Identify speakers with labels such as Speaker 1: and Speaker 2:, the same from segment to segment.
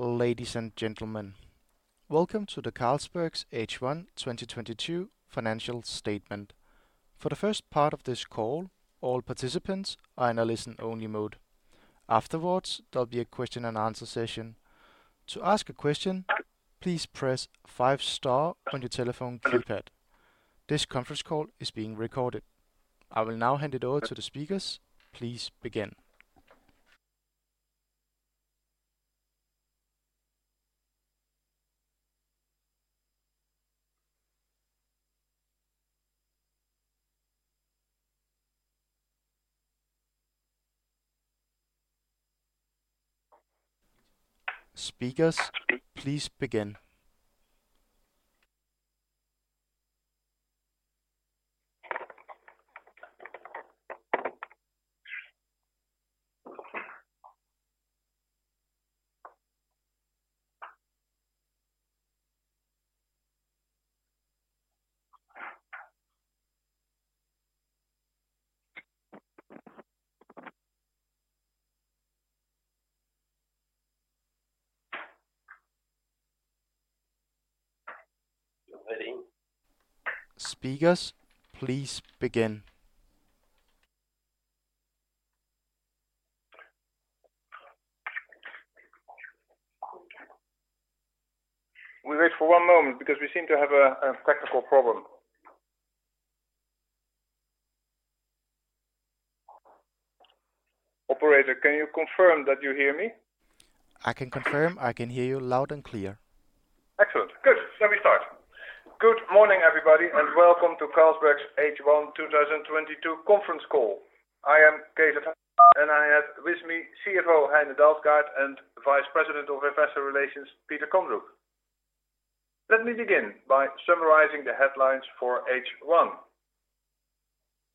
Speaker 1: Ladies and gentlemen, welcome to the Carlsberg Group's H1 2022 financial statement. For the first part of this call, all participants are in a listen-only mode. Afterwards, there'll be a Q&A session. To ask a question, please press five star on your telephone keypad. This conference call is being recorded. I will now hand it over to the speakers. Please begin. Speakers, please begin.
Speaker 2: You're ready.
Speaker 1: Speakers, please begin.
Speaker 2: We wait for one moment because we seem to have a practical problem. Operator, can you confirm that you hear me?
Speaker 1: I can confirm I can hear you loud and clear.
Speaker 2: Excellent. Good. We start. Good morning, everybody, and welcome to Carlsberg's H1 2022 conference call. I am Cees 't Hart and I have with me CFO Heine Dalsgaard and Vice President of Investor Relations, Peter Kondrup. Let me begin by summarizing the headlines for H1.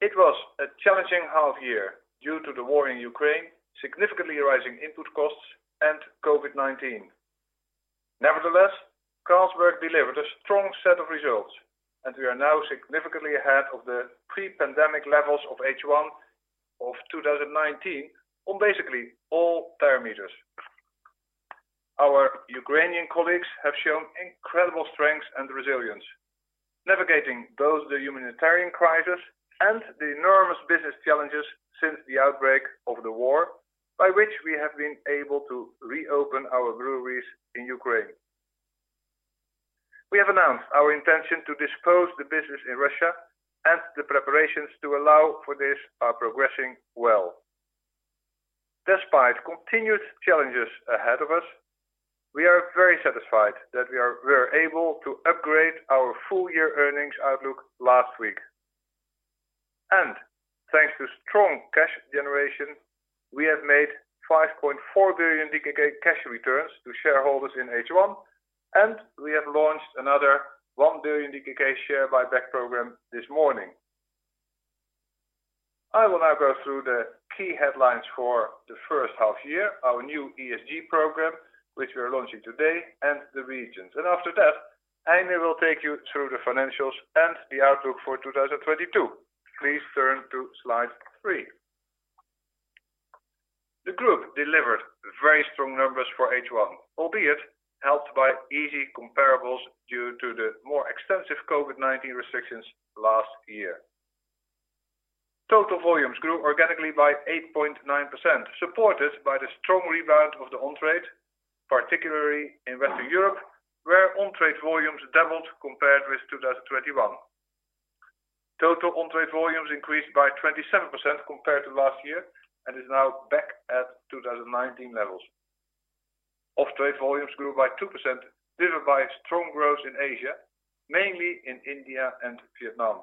Speaker 2: It was a challenging half year due to the war in Ukraine, significantly rising input costs, and COVID-19. Nevertheless, Carlsberg delivered a strong set of results, and we are now significantly ahead of the pre-pandemic levels of H1 of 2019 on basically all parameters. Our Ukrainian colleagues have shown incredible strength and resilience, navigating both the humanitarian crisis and the enormous business challenges since the outbreak of the war, by which we have been able to reopen our breweries in Ukraine. We have announced our intention to dispose of the business in Russia, and the preparations to allow for this are progressing well. Despite continued challenges ahead of us, we are very satisfied that we were able to upgrade our full year earnings outlook last week. Thanks to strong cash generation, we have made 5.4 billion DKK cash returns to shareholders in H1, and we have launched another 1 billion DKK share buyback program this morning. I will now go through the key headlines for the first half year, our new ESG program, which we're launching today, and the regions. After that, Heine will take you through the financials and the outlook for 2022. Please turn to slide three. The group delivered very strong numbers for H1, albeit helped by easy comparables due to the more extensive COVID-19 restrictions last year. Total volumes grew organically by 8.9%, supported by the strong rebound of the on-trade, particularly in Western Europe, where on-trade volumes doubled compared with 2021. Total on-trade volumes increased by 27% compared to last year, and is now back at 2019 levels. Off-trade volumes grew by 2%, driven by strong growth in Asia, mainly in India and Vietnam.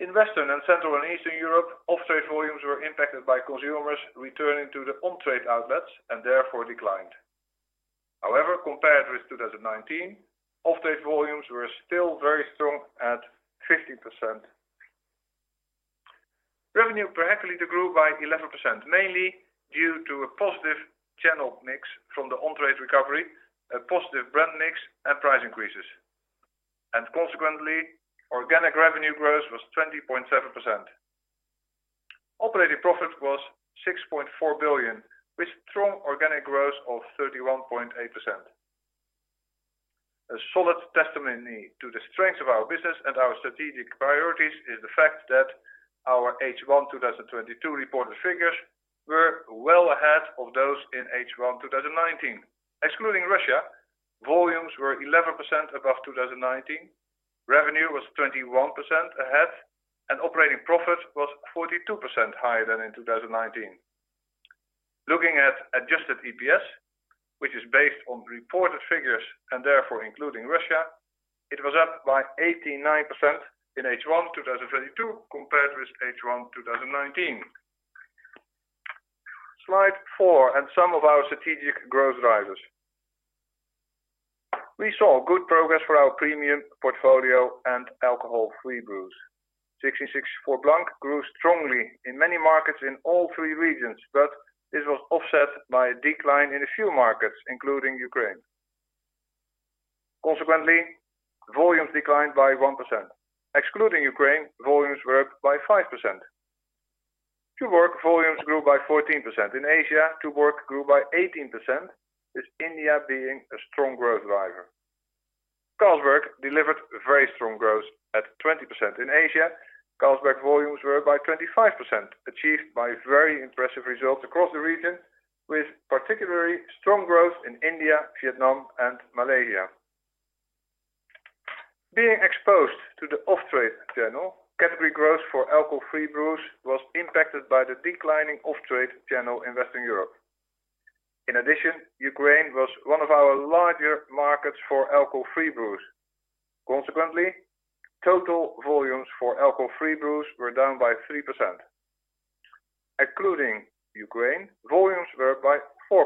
Speaker 2: In Western and Central and Eastern Europe, off-trade volumes were impacted by consumers returning to the on-trade outlets and therefore declined. However, compared with 2019, off-trade volumes were still very strong at 15%. Revenue per hectoliter grew by 11%, mainly due to a positive channel mix from the on-trade recovery, a positive brand mix, and price increases. Consequently, organic revenue growth was 20.7%. Operating profit was 6.4 billion, with strong organic growth of 31.8%. A solid testimony to the strength of our business and our strategic priorities is the fact that our H1 2022 reported figures were well ahead of those in H1 2019. Excluding Russia, volumes were 11% above 2019, revenue was 21% ahead, and operating profit was 42% higher than in 2019. Looking at adjusted EPS, which is based on reported figures and therefore including Russia, it was up by 89% in H1 2022 compared with H1 2019. Slide four, some of our strategic growth drivers. We saw good progress for our premium portfolio and alcohol-free brews. 1664 Blanc grew strongly in many markets in all three regions, but this was offset by a decline in a few markets, including Ukraine. Consequently, volumes declined by 1%. Excluding Ukraine, volumes were up by 5%. Tuborg volumes grew by 14%. In Asia, Tuborg grew by 18%, with India being a strong growth driver. Carlsberg delivered very strong growth at 20%. In Asia, Carlsberg volumes grew by 25%, achieved by very impressive results across the region, with particularly strong growth in India, Vietnam and Malaysia. Being exposed to the off-trade channel, category growth for alcohol-free brews was impacted by the declining off-trade channel in Western Europe. In addition, Ukraine was one of our larger markets for alcohol-free brews. Consequently, total volumes for alcohol-free brews were down by 3%. Excluding Ukraine, volumes were up by 4%.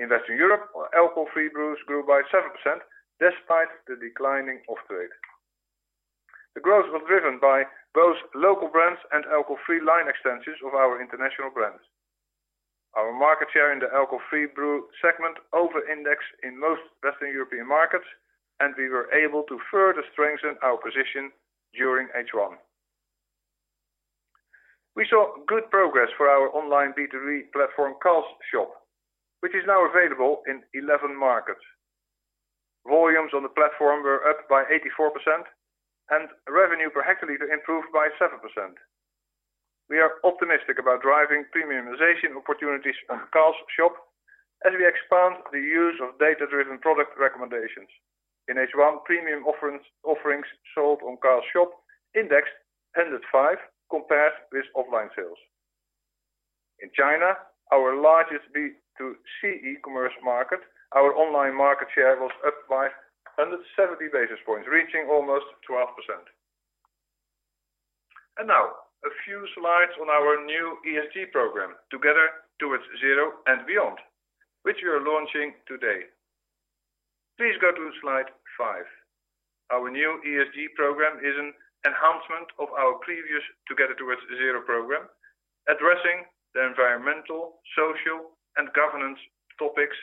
Speaker 2: In Western Europe, alcohol-free brews grew by 7% despite the declining off-trade. The growth was driven by both local brands and alcohol-free line extensions of our international brands. Our market share in the alcohol-free brew segment over-indexed in most Western European markets, and we were able to further strengthen our position during H1. We saw good progress for our online B2B platform, Carl's Shop, which is now available in 11 markets. Volumes on the platform were up by 84%, and revenue per hectoliter improved by 7%. We are optimistic about driving premiumization opportunities on Carl's Shop as we expand the use of data-driven product recommendations. In H1, premium offerings sold on Carl's Shop indexed 105 compared with online sales. In China, our largest B2C e-commerce market, our online market share was up by 170 basis points, reaching almost 12%. Now a few slides on our new ESG program, Together Towards ZERO and Beyond, which we are launching today. Please go to slide five. Our new ESG program is an enhancement of our previous Together Towards ZERO program, addressing the environmental, social, and governance topics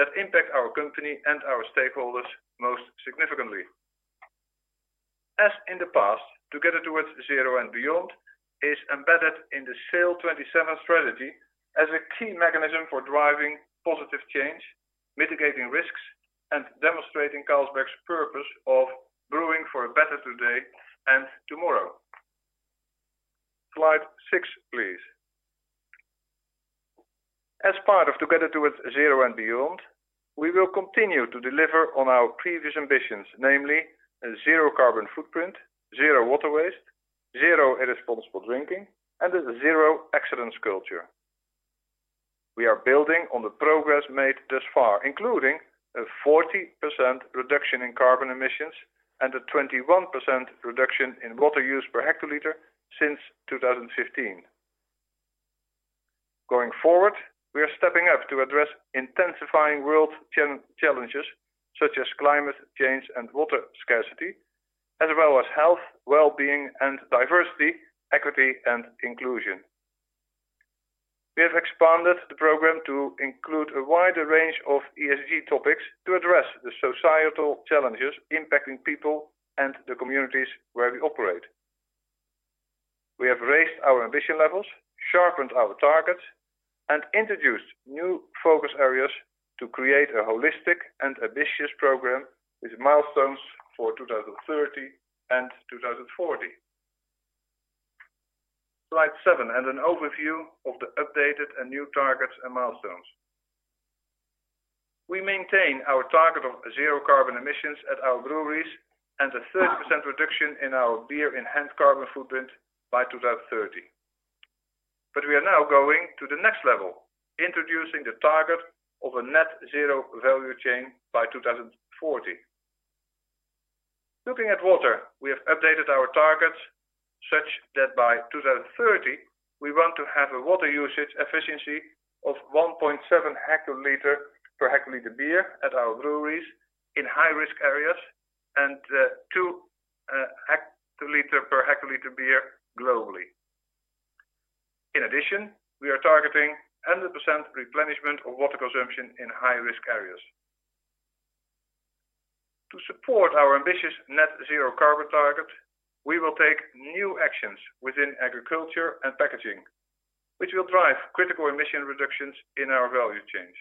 Speaker 2: that impact our company and our stakeholders most significantly. As in the past, Together Towards ZERO and Beyond is embedded in the SAIL '27 strategy as a key mechanism for driving positive change, mitigating risks, and demonstrating Carlsberg's purpose of brewing for a better today and tomorrow. Slide six, please. As part of Together Towards ZERO and Beyond, we will continue to deliver on our previous ambitions, namely a zero carbon footprint, zero water waste, zero irresponsible drinking, and a zero excellence culture. We are building on the progress made thus far, including a 40% reduction in carbon emissions and a 21% reduction in water use per hectoliter since 2015. Going forward, we are stepping up to address intensifying world challenges such as climate change and water scarcity, as well as health, well-being and diversity, equity and inclusion. We have expanded the program to include a wider range of ESG topics to address the societal challenges impacting people and the communities where we operate. We have raised our ambition levels, sharpened our targets, and introduced new focus areas to create a holistic and ambitious program with milestones for 2030 and 2040. Slide seven has an overview of the updated and new targets and milestones. We maintain our target of zero carbon emissions at our breweries and a 30% reduction in our beer-enhanced carbon footprint by 2030. We are now going to the next level, introducing the target of a net zero value chain by 2040. Looking at water, we have updated our targets such that by 2030 we want to have a water usage efficiency of 1.7 hectoliter per hectoliter beer at our breweries in high-risk areas and two hectoliter per hectoliter beer globally. In addition, we are targeting 100% replenishment of water consumption in high-risk areas. To support our ambitious net zero carbon target, we will take new actions within agriculture and packaging, which will drive critical emission reductions in our value chains.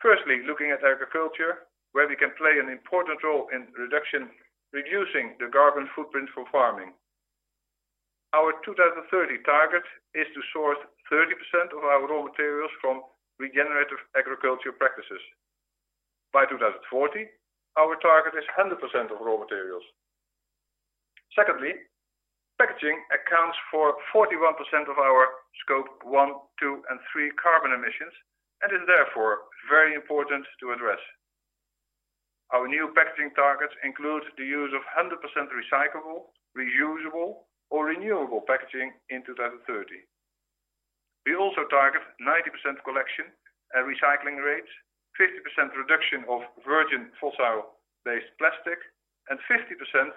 Speaker 2: Firstly, looking at agriculture, where we can play an important role in reducing the carbon footprint for farming. Our 2030 target is to source 30% of our raw materials from regenerative agriculture practices. By 2040, our target is 100% of raw materials. Secondly, packaging accounts for 41% of our Scope 1, 2, and 3 carbon emissions and is therefore very important to address. Our new packaging targets include the use of 100% recyclable, reusable or renewable packaging in 2030. We also target 90% collection and recycling rates, 50% reduction of virgin fossil-based plastic, and 50%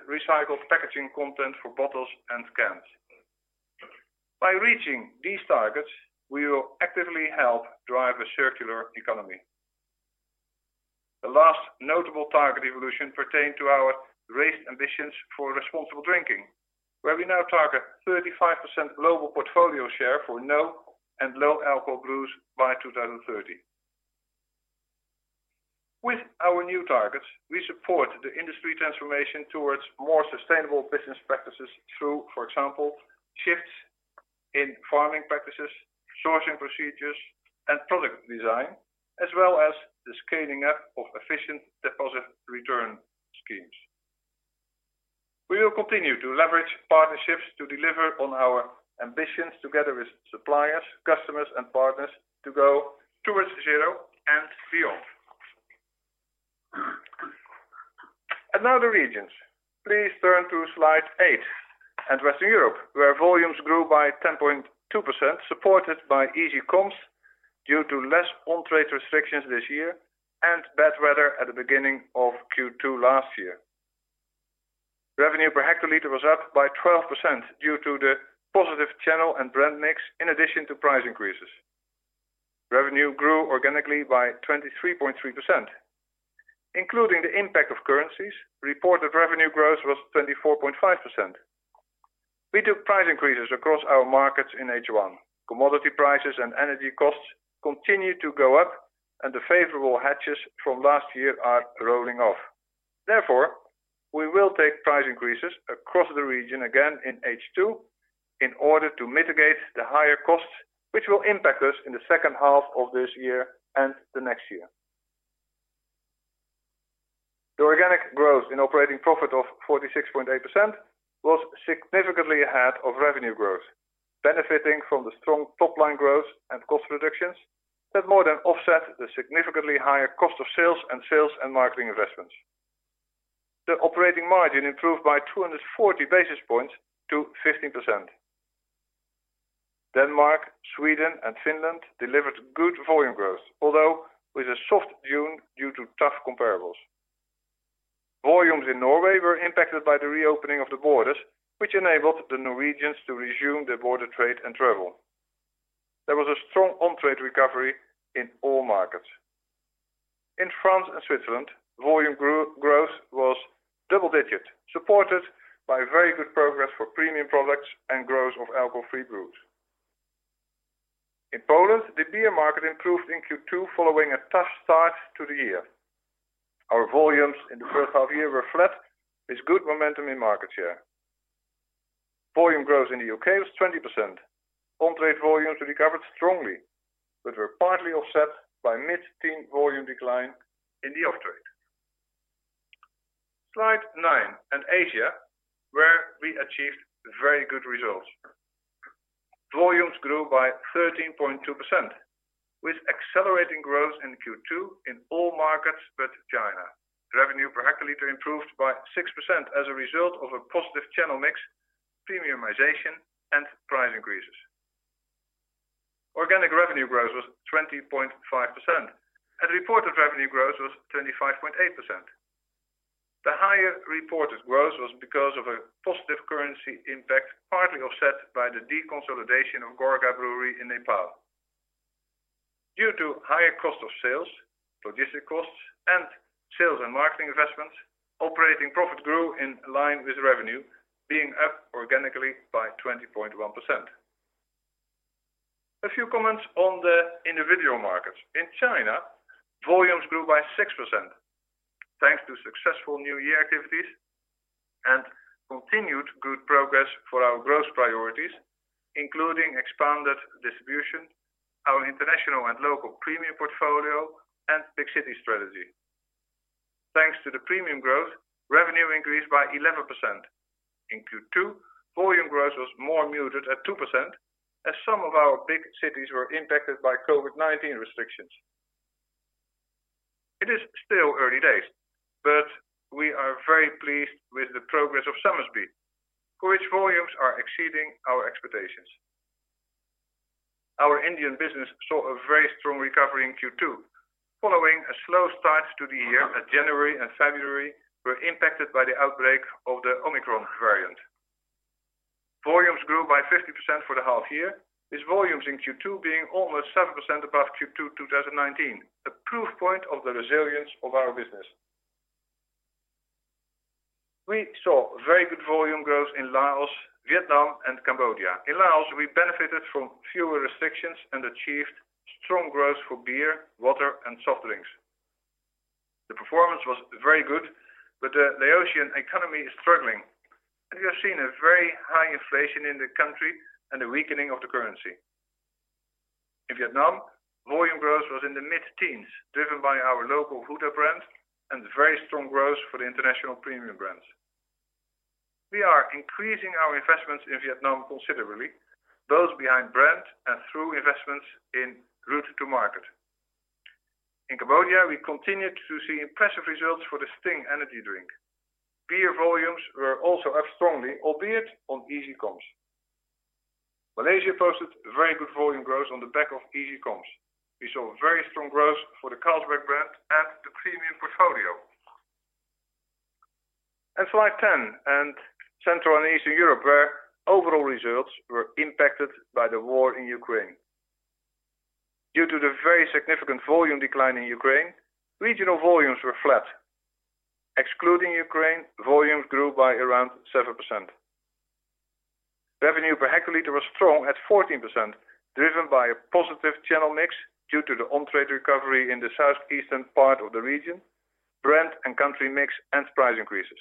Speaker 2: recycled packaging content for bottles and cans. By reaching these targets, we will actively help drive a circular economy. The last notable target evolution pertained to our raised ambitions for responsible drinking, where we now target 35% global portfolio share for no and low alcohol brews by 2030. With our new targets, we support the industry transformation towards more sustainable business practices through, for example, shifts in farming practices, sourcing procedures and product design, as well as the scaling up of efficient deposit return schemes. We will continue to leverage partnerships to deliver on our ambitions together with suppliers, customers and partners to go Towards ZERO and Beyond. Now the regions. Please turn to slide eight. Western Europe, where volumes grew by 10.2%, supported by easy comps due to less on-trade restrictions this year and bad weather at the beginning of Q2 last year. Revenue per hectoliter was up by 12% due to the positive channel and brand mix in addition to price increases. Revenue grew organically by 23.3%. Including the impact of currencies, reported revenue growth was 24.5%. We took price increases across our markets in H1. Commodity prices and energy costs continue to go up and the favorable hedges from last year are rolling off. Therefore, we will take price increases across the region again in H2 in order to mitigate the higher costs which will impact us in the second half of this year and the next year. The organic growth in operating profit of 46.8% was significantly ahead of revenue growth, benefiting from the strong top-line growth and cost reductions that more than offset the significantly higher cost of sales and sales and marketing investments. The operating margin improved by 240 basis points to 15%. Denmark, Sweden and Finland delivered good volume growth, although with a soft June due to tough comparables. Volumes in Norway were impacted by the reopening of the borders, which enabled the Norwegians to resume their border trade and travel. There was a strong on-trade recovery in all markets. In France and Switzerland, volume growth was double digits, supported by very good progress for premium products and growth of alcohol-free brews. In Poland, the beer market improved in Q2 following a tough start to the year. Our volumes in the first half year were flat with good momentum in market share. Volume growth in the U.K. was 20%. On-trade volumes recovered strongly, but were partly offset by mid-teen volume decline in the off-trade. Slide nine and Asia, where we achieved very good results. Volumes grew by 13.2% with accelerating growth in Q2 in all markets but China. Revenue per hectoliter improved by 6% as a result of a positive channel mix, premiumization and price increases. Organic revenue growth was 20.5% and reported revenue growth was 25.8%. The higher reported growth was because of a positive currency impact, partly offset by the deconsolidation of Gorkha Brewery in Nepal. Due to higher cost of sales, logistics costs and sales and marketing investments, operating profit grew in line with revenue being up organically by 20.1%. A few comments on the individual markets. In China, volumes grew by 6% thanks to successful New Year activities and continued good progress for our growth priorities, including expanded distribution, our international and local premium portfolio and big city strategy. Thanks to the premium growth, revenue increased by 11%. In Q2, volume growth was more muted at 2% as some of our big cities were impacted by COVID-19 restrictions. It is still early days, but we are very pleased with the progress of Somersby, for which volumes are exceeding our expectations. Our Indian business saw a very strong recovery in Q2 following a slow start to the year as January and February were impacted by the outbreak of the Omicron variant. Volumes grew by 50% for the half year, with volumes in Q2 being almost 7% above Q2 2019, a proof point of the resilience of our business. We saw very good volume growth in Laos, Vietnam and Cambodia. In Laos, we benefited from fewer restrictions and achieved strong growth for beer, water and soft drinks. The performance was very good, but the Laotian economy is struggling, and we have seen a very high inflation in the country and a weakening of the currency. In Vietnam, volume growth was in the mid-teens, driven by our local Huda brand and very strong growth for the international premium brands. We are increasing our investments in Vietnam considerably, both behind brand and through investments in route to market. In Cambodia, we continued to see impressive results for the Sting energy drink. Beer volumes were also up strongly, albeit on easy comps. Malaysia posted very good volume growth on the back of easy comps. We saw very strong growth for the Carlsberg brand and the premium portfolio. Slide 10, Central and Eastern Europe, where overall results were impacted by the war in Ukraine. Due to the very significant volume decline in Ukraine, regional volumes were flat. Excluding Ukraine, volumes grew by around 7%. Revenue per hectoliter was strong at 14%, driven by a positive channel mix due to the on-trade recovery in the southeastern part of the region, brand and country mix and price increases.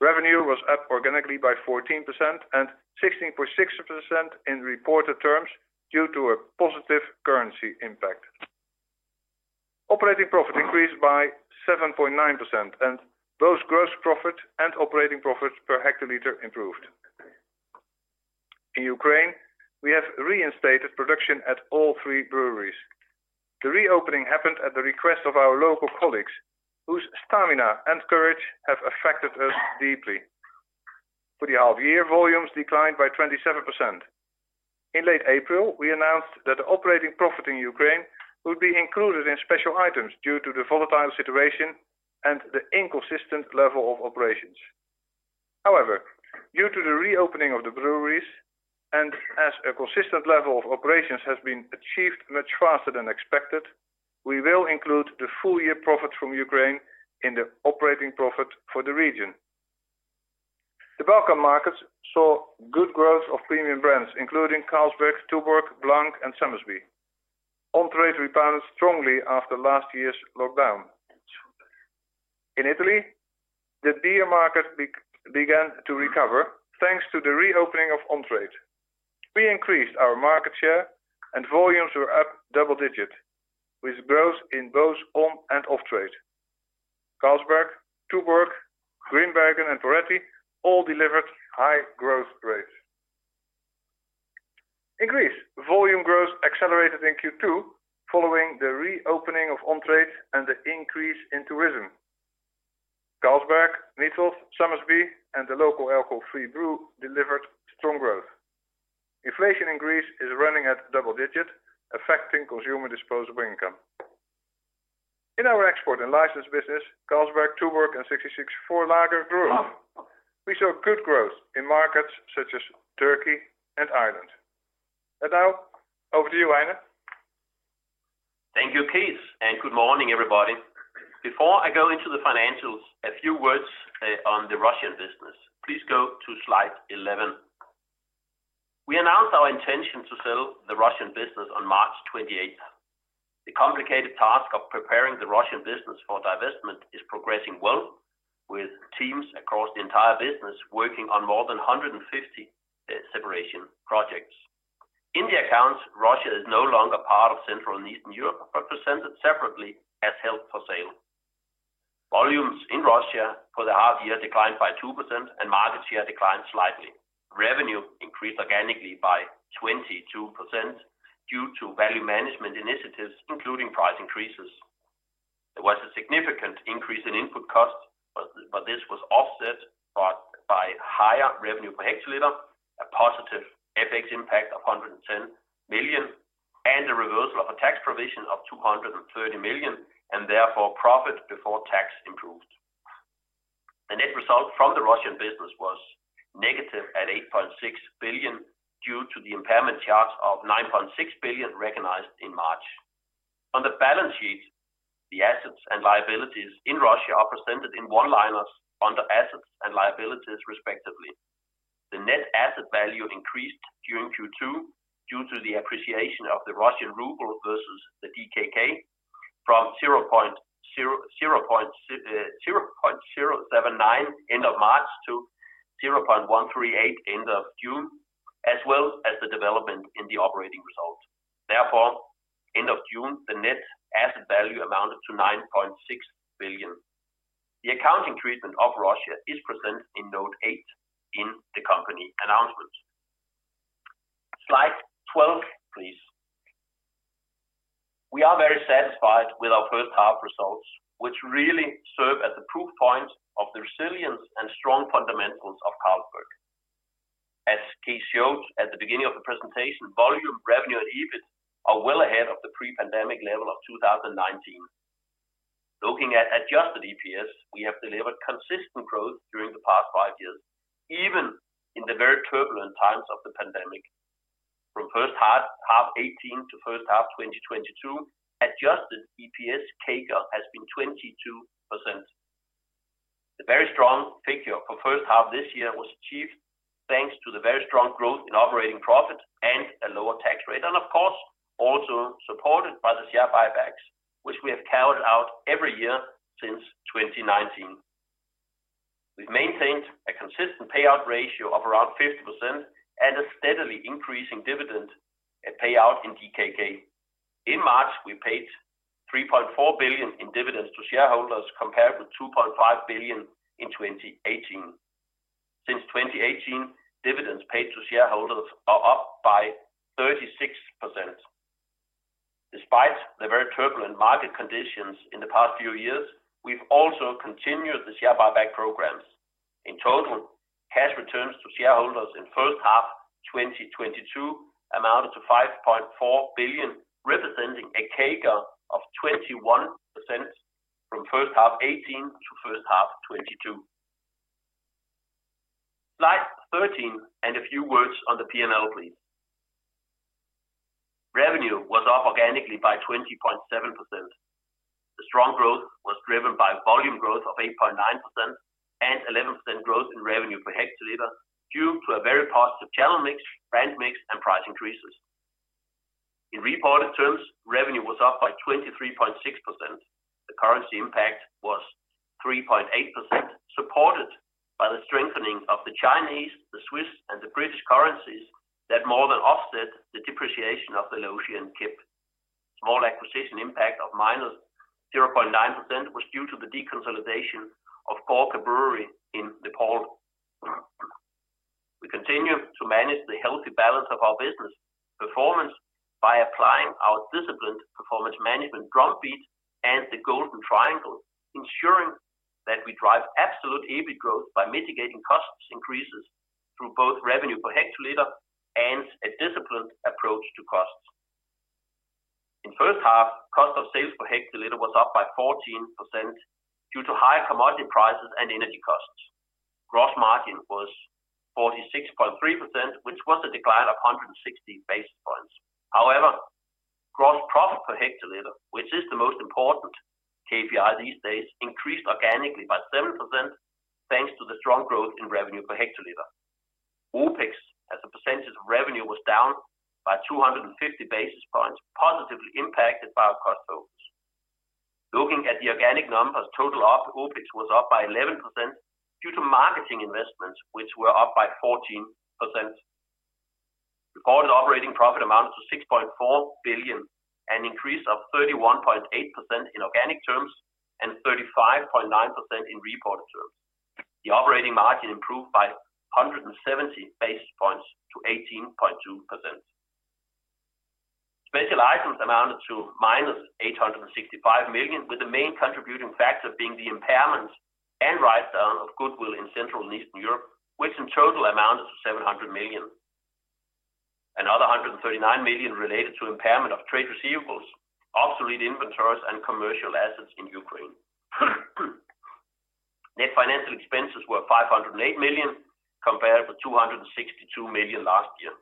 Speaker 2: Revenue was up organically by 14% and 16.6% in reported terms due to a positive currency impact. Operating profit increased by 7.9%, and both gross profit and operating profit per hectoliter improved. In Ukraine, we have reinstated production at all three breweries. The reopening happened at the request of our local colleagues, whose stamina and courage have affected us deeply. For the half year, volumes declined by 27%. In late April, we announced that operating profit in Ukraine would be included in special items due to the volatile situation and the inconsistent level of operations. However, due to the reopening of the breweries and as a consistent level of operations has been achieved much faster than expected, we will include the full year profit from Ukraine in the operating profit for the region. The Balkan markets saw good growth of premium brands, including Carlsberg, Tuborg, Blanc, and Somersby. On-trade rebounds strongly after last year's lockdown. In Italy, the beer market began to recover thanks to the reopening of on-trade. We increased our market share and volumes were up double-digit, with growth in both on- and off-trade. Carlsberg, Tuborg, Grimbergen, and Moretti all delivered high growth rates. Volume growth accelerated in Q2 following the reopening of on-trade and the increase in tourism. Carlsberg, Mythos, Somersby, and the local alcohol-free brew delivered strong growth. Inflation in Greece is running at double-digit, affecting consumer disposable income. In our export and license business, Carlsberg, Tuborg, and 1664 Lager grew. We saw good growth in markets such as Turkey and Ireland. Now, over to you, Heine.
Speaker 3: Thank you, Cees, and good morning, everybody. Before I go into the financials, a few words on the Russian business. Please go to slide 11. We announced our intention to sell the Russian business on March 28th. The complicated task of preparing the Russian business for divestment is progressing well, with teams across the entire business working on more than 150 separation projects. In the accounts, Russia is no longer part of Central and Eastern Europe, but presented separately as held for sale. Volumes in Russia for the half year declined by 2% and market share declined slightly. Revenue increased organically by 22% due to value management initiatives, including price increases. There was a significant increase in input cost, but this was offset by higher revenue per hectoliter, a positive FX impact of 110 million, and a reversal of a tax provision of 230 million, and therefore, profit before tax improved. The net result from the Russian business was negative at 8.6 billion due to the impairment charge of 9.6 billion recognized in March. On the balance sheet, the assets and liabilities in Russia are presented in one-liners under assets and liabilities, respectively. The net asset value increased during Q2 due to the appreciation of the Russian ruble versus the DKK from 0.079 end of March to 0.138 end of June, as well as the development in the operating results. Therefore, end of June, the net asset value amounted to 9.6 billion. The accounting treatment of Russia is presented in note eight in the company announcement. Slide 12, please. We are very satisfied with our first half results, which really serve as a proof point of the resilience and strong fundamentals of Carlsberg. As Cees showed at the beginning of the presentation, volume, revenue, and EBIT are well ahead of the pre-pandemic level of 2019. Looking at adjusted EPS, we have delivered consistent growth during the past five years, even in the very turbulent times of the pandemic. From first half '18 to first half 2022, adjusted EPS CAGR has been 22%. The very strong figure for first half this year was achieved thanks to the very strong growth in operating profit and a lower tax rate, and of course, also supported by the share buybacks, which we have carried out every year since 2019. We've maintained a consistent payout ratio of around 50% and a steadily increasing dividend, a payout in DKK. In March, we paid 3.4 billion in dividends to shareholders compared with 2.5 billion in 2018. Since 2018, dividends paid to shareholders are up by 36%. Despite the very turbulent market conditions in the past few years, we've also continued the share buyback programs. In total, cash returns to shareholders in first half 2022 amounted to 5.4 billion, representing a CAGR of 21% from first half 2018 to first half 2022. Slide 13, a few words on the P&L, please. Revenue was up organically by 20.7%. The strong growth was driven by volume growth of 8.9% and 11% growth in revenue per hectoliter due to a very positive channel mix, brand mix, and price increases. In reported terms, revenue was up by 23.6%. The currency impact was 3.8%, supported by the strengthening of the Chinese, the Swiss, and the British currencies that more than offset the depreciation of the Laotian Kip. Small acquisition impact of -0.9% was due to the deconsolidation of Gorkha Brewery in Nepal. We continue to manage the healthy balance of our business performance by applying our disciplined performance management drum beats and the Golden Triangle, ensuring that we drive absolute EBIT growth by mitigating cost increases through both revenue per hectoliter and a disciplined approach to costs. In first half, cost of sales per hectoliter was up by 14% due to higher commodity prices and energy costs. Gross margin was 46.3%, which was a decline of 160 basis points. However, gross profit per hectoliter, which is the most important KPI these days, increased organically by 7%, thanks to the strong growth in revenue per hectoliter. OPEX as a percentage of revenue was down by 250 basis points, positively impacted by our cost focus. Looking at the organic numbers, total OPEX was up by 11% due to marketing investments, which were up by 14%. Recorded operating profit amounted to 6.4 billion, an increase of 31.8% in organic terms and 35.9% in reported terms. The operating margin improved by 170 basis points to 18.2%. Special items amounted to -865 million, with the main contributing factor being the impairment and write-down of goodwill in Central and Eastern Europe, which in total amounted to 700 million. Another 139 million related to impairment of trade receivables, obsolete inventories, and commercial assets in Ukraine. Net financial expenses were 508 million, compared with 262 million last year.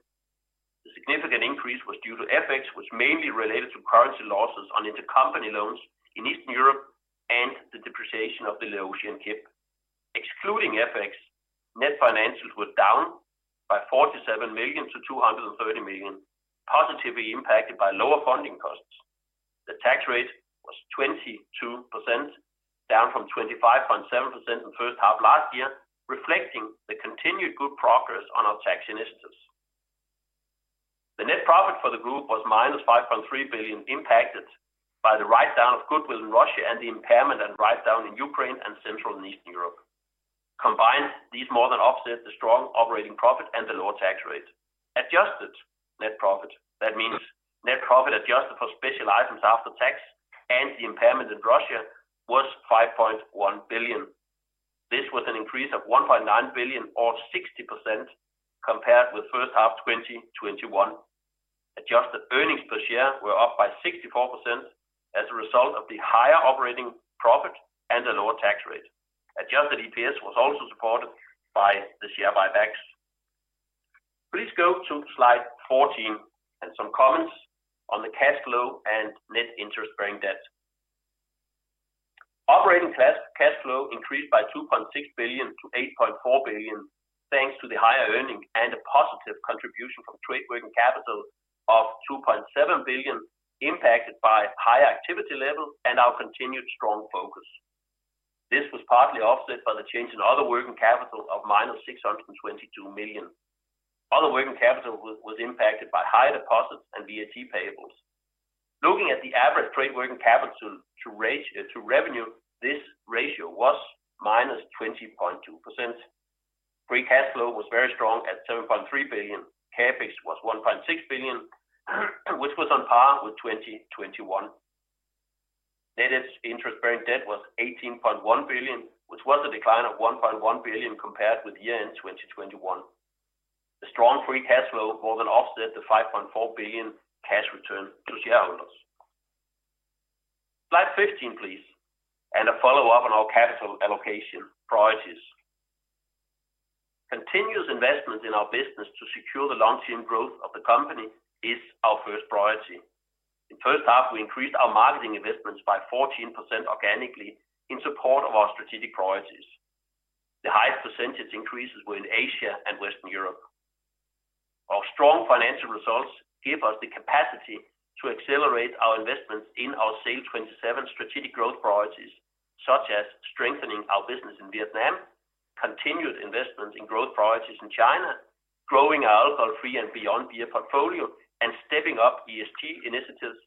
Speaker 3: The significant increase was due to FX, was mainly related to currency losses on intercompany loans in Eastern Europe and the depreciation of the Laotian Kip. Excluding FX, net financials were down by 47 million to 230 million, positively impacted by lower funding costs. The tax rate was 22%, down from 25.7% in first half last year, reflecting the continued good progress on our tax initiatives. The net profit for the group was -5.3 billion, impacted by the write-down of goodwill in Russia and the impairment and write-down in Ukraine and Central and Eastern Europe. Combined, these more than offset the strong operating profit and the lower tax rate. Adjusted net profit, that means net profit adjusted for special items after tax and the impairment in Russia was 5.1 billion. This was an increase of 1.9 billion or 60% compared with first half 2021. Adjusted earnings per share were up by 64% as a result of the higher operating profit and a lower tax rate. Adjusted EPS was also supported by the share buybacks. Please go to slide 14 and some comments on the cash flow and net interest-bearing debt. Operating cash flow increased by 2.6 billion to 8.4 billion, thanks to the higher earnings and a positive contribution from trade working capital of 2.7 billion, impacted by higher activity level and our continued strong focus. This was partly offset by the change in other working capital of -622 million. Other working capital was impacted by higher deposits and VAT payables. Looking at the average trade working capital to revenue, this ratio was -20.2%. Free cash flow was very strong at 7.3 billion. CapEx was 1.6 billion, which was on par with 2021. Net interest-bearing debt was 18.1 billion, which was a decline of 1.1 billion compared with year-end 2021. The strong free cash flow more than offset the 5.4 billion cash return to shareholders. Slide 15, please, and a follow-up on our capital allocation priorities. Continuous investment in our business to secure the long-term growth of the company is our first priority. In first half, we increased our marketing investments by 14% organically in support of our strategic priorities. The highest percentage increases were in Asia and Western Europe. Our strong financial results give us the capacity to accelerate our investments in our SAIL '27 strategic growth priorities, such as strengthening our business in Vietnam, continued investments in growth priorities in China, growing our alcohol-free and beyond beer portfolio, and stepping up ESG initiatives,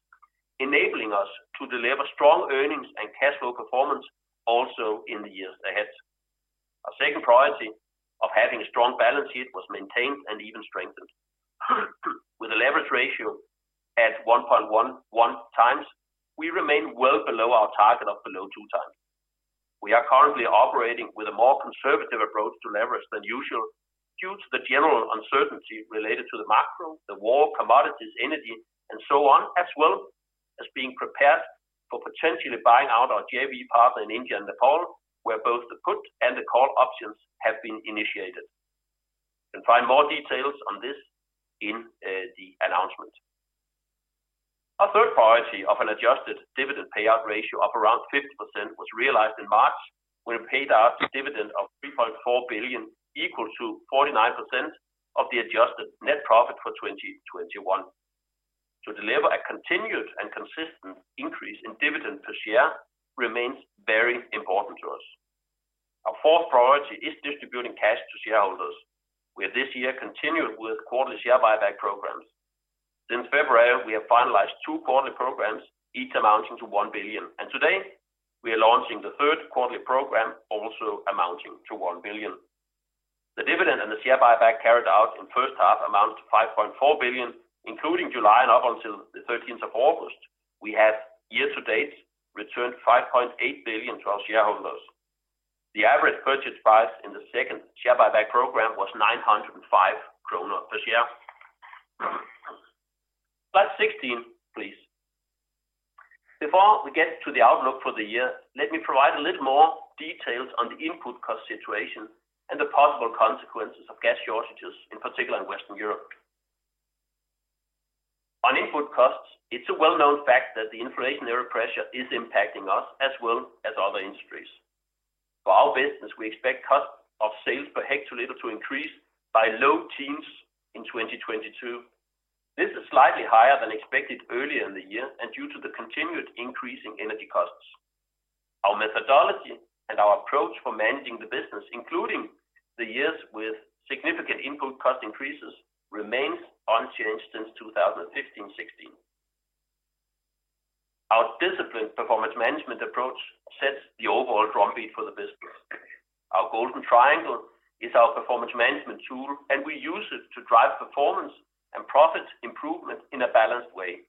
Speaker 3: enabling us to deliver strong earnings and cash flow performance also in the years ahead. Our second priority of having a strong balance sheet was maintained and even strengthened. The leverage ratio at 1.11x, we remain well below our target of below 2x. We are currently operating with a more conservative approach to leverage than usual due to the general uncertainty related to the macro, the war, commodities, energy, and so on, as well as being prepared for potentially buying out our JV partner in India and Nepal, where both the put and the call options have been initiated. You can find more details on this in the announcement. Our third priority of an adjusted dividend payout ratio of around 50% was realized in March when we paid out a dividend of 3.4 billion, equal to 49% of the adjusted net profit for 2021. To deliver a continued and consistent increase in dividend per share remains very important to us. Our fourth priority is distributing cash to shareholders. We have this year continued with quarterly share buyback programs. Since February, we have finalized two quarterly programs, each amounting to 1 billion. Today, we are launching the third quarterly program, also amounting to 1 billion. The dividend and the share buyback carried out in first half amount to 5.4 billion, including July and up until the 13th of August. We have year-to-date returned 5.8 billion to our shareholders. The average purchase price in the second share buyback program was 905 kroner per share. Slide 16, please. Before we get to the outlook for the year, let me provide a little more details on the input cost situation and the possible consequences of gas shortages, in particular in Western Europe. On input costs, it's a well-known fact that the inflationary pressure is impacting us as well as other industries. For our business, we expect cost of sales per hectoliter to increase by low teens% in 2022. This is slightly higher than expected earlier in the year and due to the continued increase in energy costs. Our methodology and our approach for managing the business, including the years with significant input cost increases, remains unchanged since 2015/16. Our disciplined performance management approach sets the overall drum beat for the business. Our Golden Triangle is our performance management tool, and we use it to drive performance and profit improvement in a balanced way.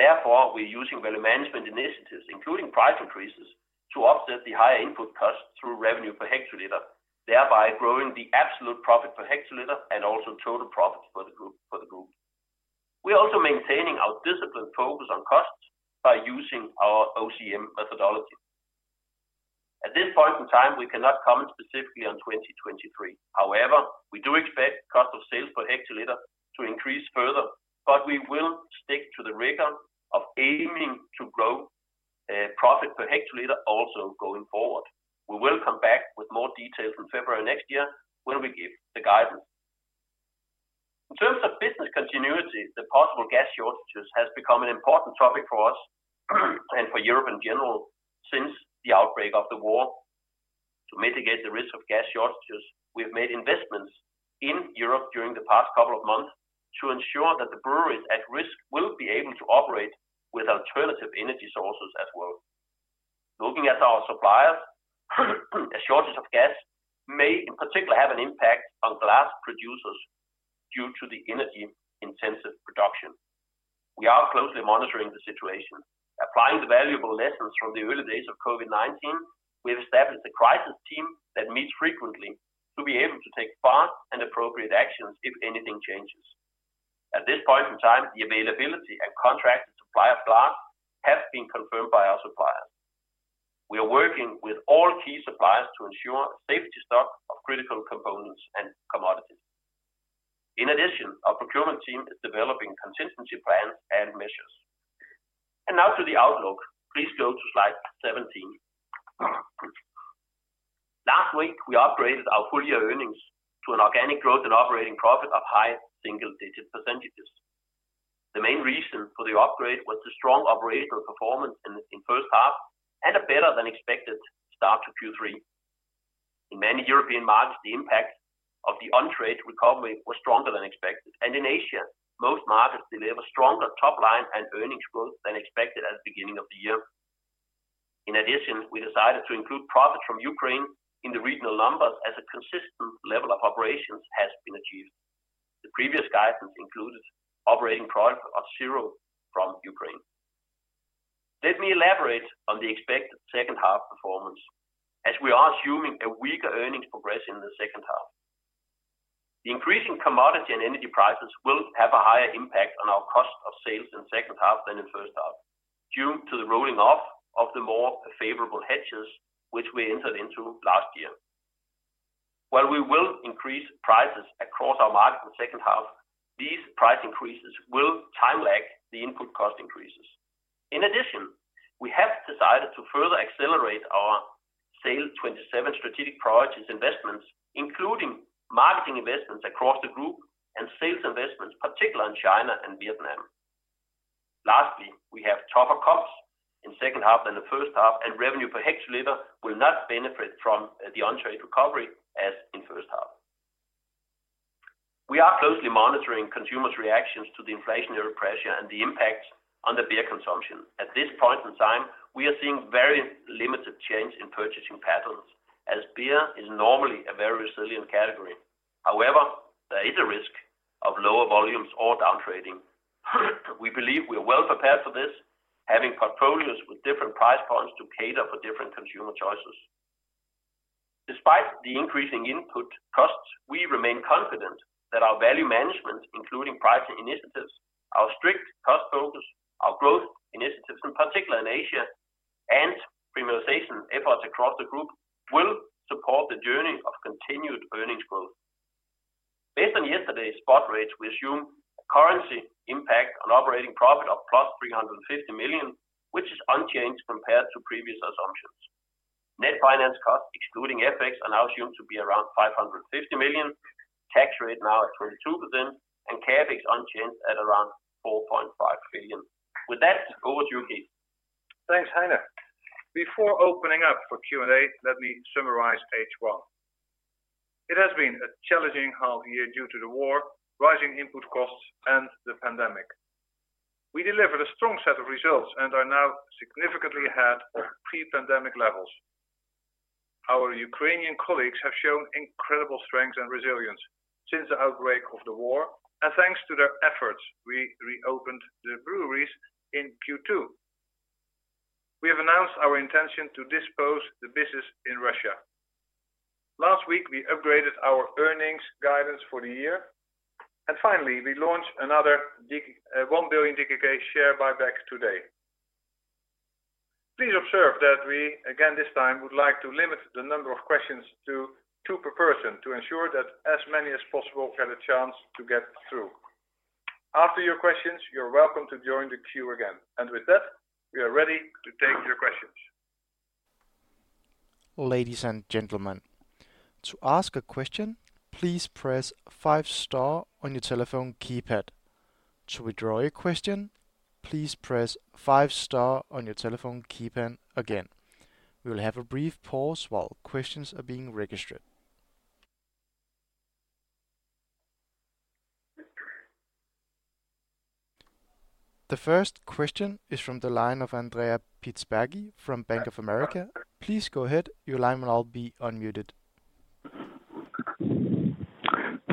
Speaker 3: Therefore, we're using value management initiatives, including price increases, to offset the higher input costs through revenue per hectoliter, thereby growing the absolute profit per hectoliter and also total profits for the group. We're also maintaining our disciplined focus on costs by using our OCM methodology. At this point in time, we cannot comment specifically on 2023. However, we do expect cost of sales per hectoliter to increase further, but we will stick to the rigor of aiming to grow profit per hectoliter also going forward. We will come back with more details in February next year when we give the guidance. In terms of business continuity, the possible gas shortages has become an important topic for us, and for Europe in general since the outbreak of the war. To mitigate the risk of gas shortages, we have made investments in Europe during the past couple of months to ensure that the breweries at risk will be able to operate with alternative energy sources as well. Looking at our suppliers, a shortage of gas may in particular have an impact on glass producers due to the energy-intensive production. We are closely monitoring the situation. Applying the valuable lessons from the early days of COVID-19, we have established a crisis team that meets frequently to be able to take fast and appropriate actions if anything changes. At this point in time, the availability and contracted supply of glass has been confirmed by our suppliers. We are working with all key suppliers to ensure a safety stock of critical components and commodities. In addition, our procurement team is developing contingency plans and measures. Now to the outlook. Please go to slide 17. Last week, we upgraded our full-year earnings to an organic growth in operating profit of high single-digit %. The main reason for the upgrade was the strong operational performance in first half and a better-than-expected start to Q3. In many European markets, the impact of the on-trade recovery was stronger than expected, and in Asia, most markets delivered stronger top line and earnings growth than expected at the beginning of the year. In addition, we decided to include profits from Ukraine in the regional numbers as a consistent level of operations has been achieved. The previous guidance included operating profit of 0 from Ukraine. Let me elaborate on the expected second half performance, as we are assuming a weaker earnings progress in the second half. The increasing commodity and energy prices will have a higher impact on our cost of sales in second half than in first half, due to the rolling off of the more favorable hedges which we entered into last year. While we will increase prices across our market in second half, these price increases will time lag the input cost increases. In addition, we have decided to further accelerate our SAIL '27 strategic priorities investments, including marketing investments across the group and sales investments, particularly in China and Vietnam. Lastly, we have tougher comps in second half than the first half, and revenue per hectoliter will not benefit from the on-trade recovery as in first half. We are closely monitoring consumers' reactions to the inflationary pressure and the impact on the beer consumption. At this point in time, we are seeing very limited change in purchasing patterns. As beer is normally a very resilient category. However, there is a risk of lower volumes or down trading. We believe we are well prepared for this, having portfolios with different price points to cater for different consumer choices. Despite the increasing input costs, we remain confident that our value management, including pricing initiatives, our strict cost focus, our growth initiatives, in particular in Asia, and premiumization efforts across the group, will support the journey of continued earnings growth. Based on yesterday's spot rates, we assume a currency impact on operating profit of +350 million, which is unchanged compared to previous assumptions. Net finance costs, excluding FX, are now assumed to be around 550 million. Tax rate now at 22%, and CapEx unchanged at around 4.5 billion. With that, over to you, Cees.
Speaker 2: Thanks, Heine. Before opening up for Q&A, let me summarize H1. It has been a challenging half year due to the war, rising input costs, and the pandemic. We delivered a strong set of results and are now significantly ahead of pre-pandemic levels. Our Ukrainian colleagues have shown incredible strength and resilience since the outbreak of the war, and thanks to their efforts, we reopened the breweries in Q2. We have announced our intention to dispose the business in Russia. Last week, we upgraded our earnings guidance for the year. Finally, we launched another 1 billion share buyback today. Please observe that we, again, this time, would like to limit the number of questions to two per person to ensure that as many as possible get a chance to get through. After your questions, you're welcome to join the queue again. With that, we are ready to take your questions.
Speaker 1: Ladies and gentlemen, to ask a question, please press five star on your telephone keypad. To withdraw your question, please press five star on your telephone keypad again. We will have a brief pause while questions are being registered. The first question is from the line of Andrea Pistacchi from Bank of America. Please go ahead. Your line will all be unmuted.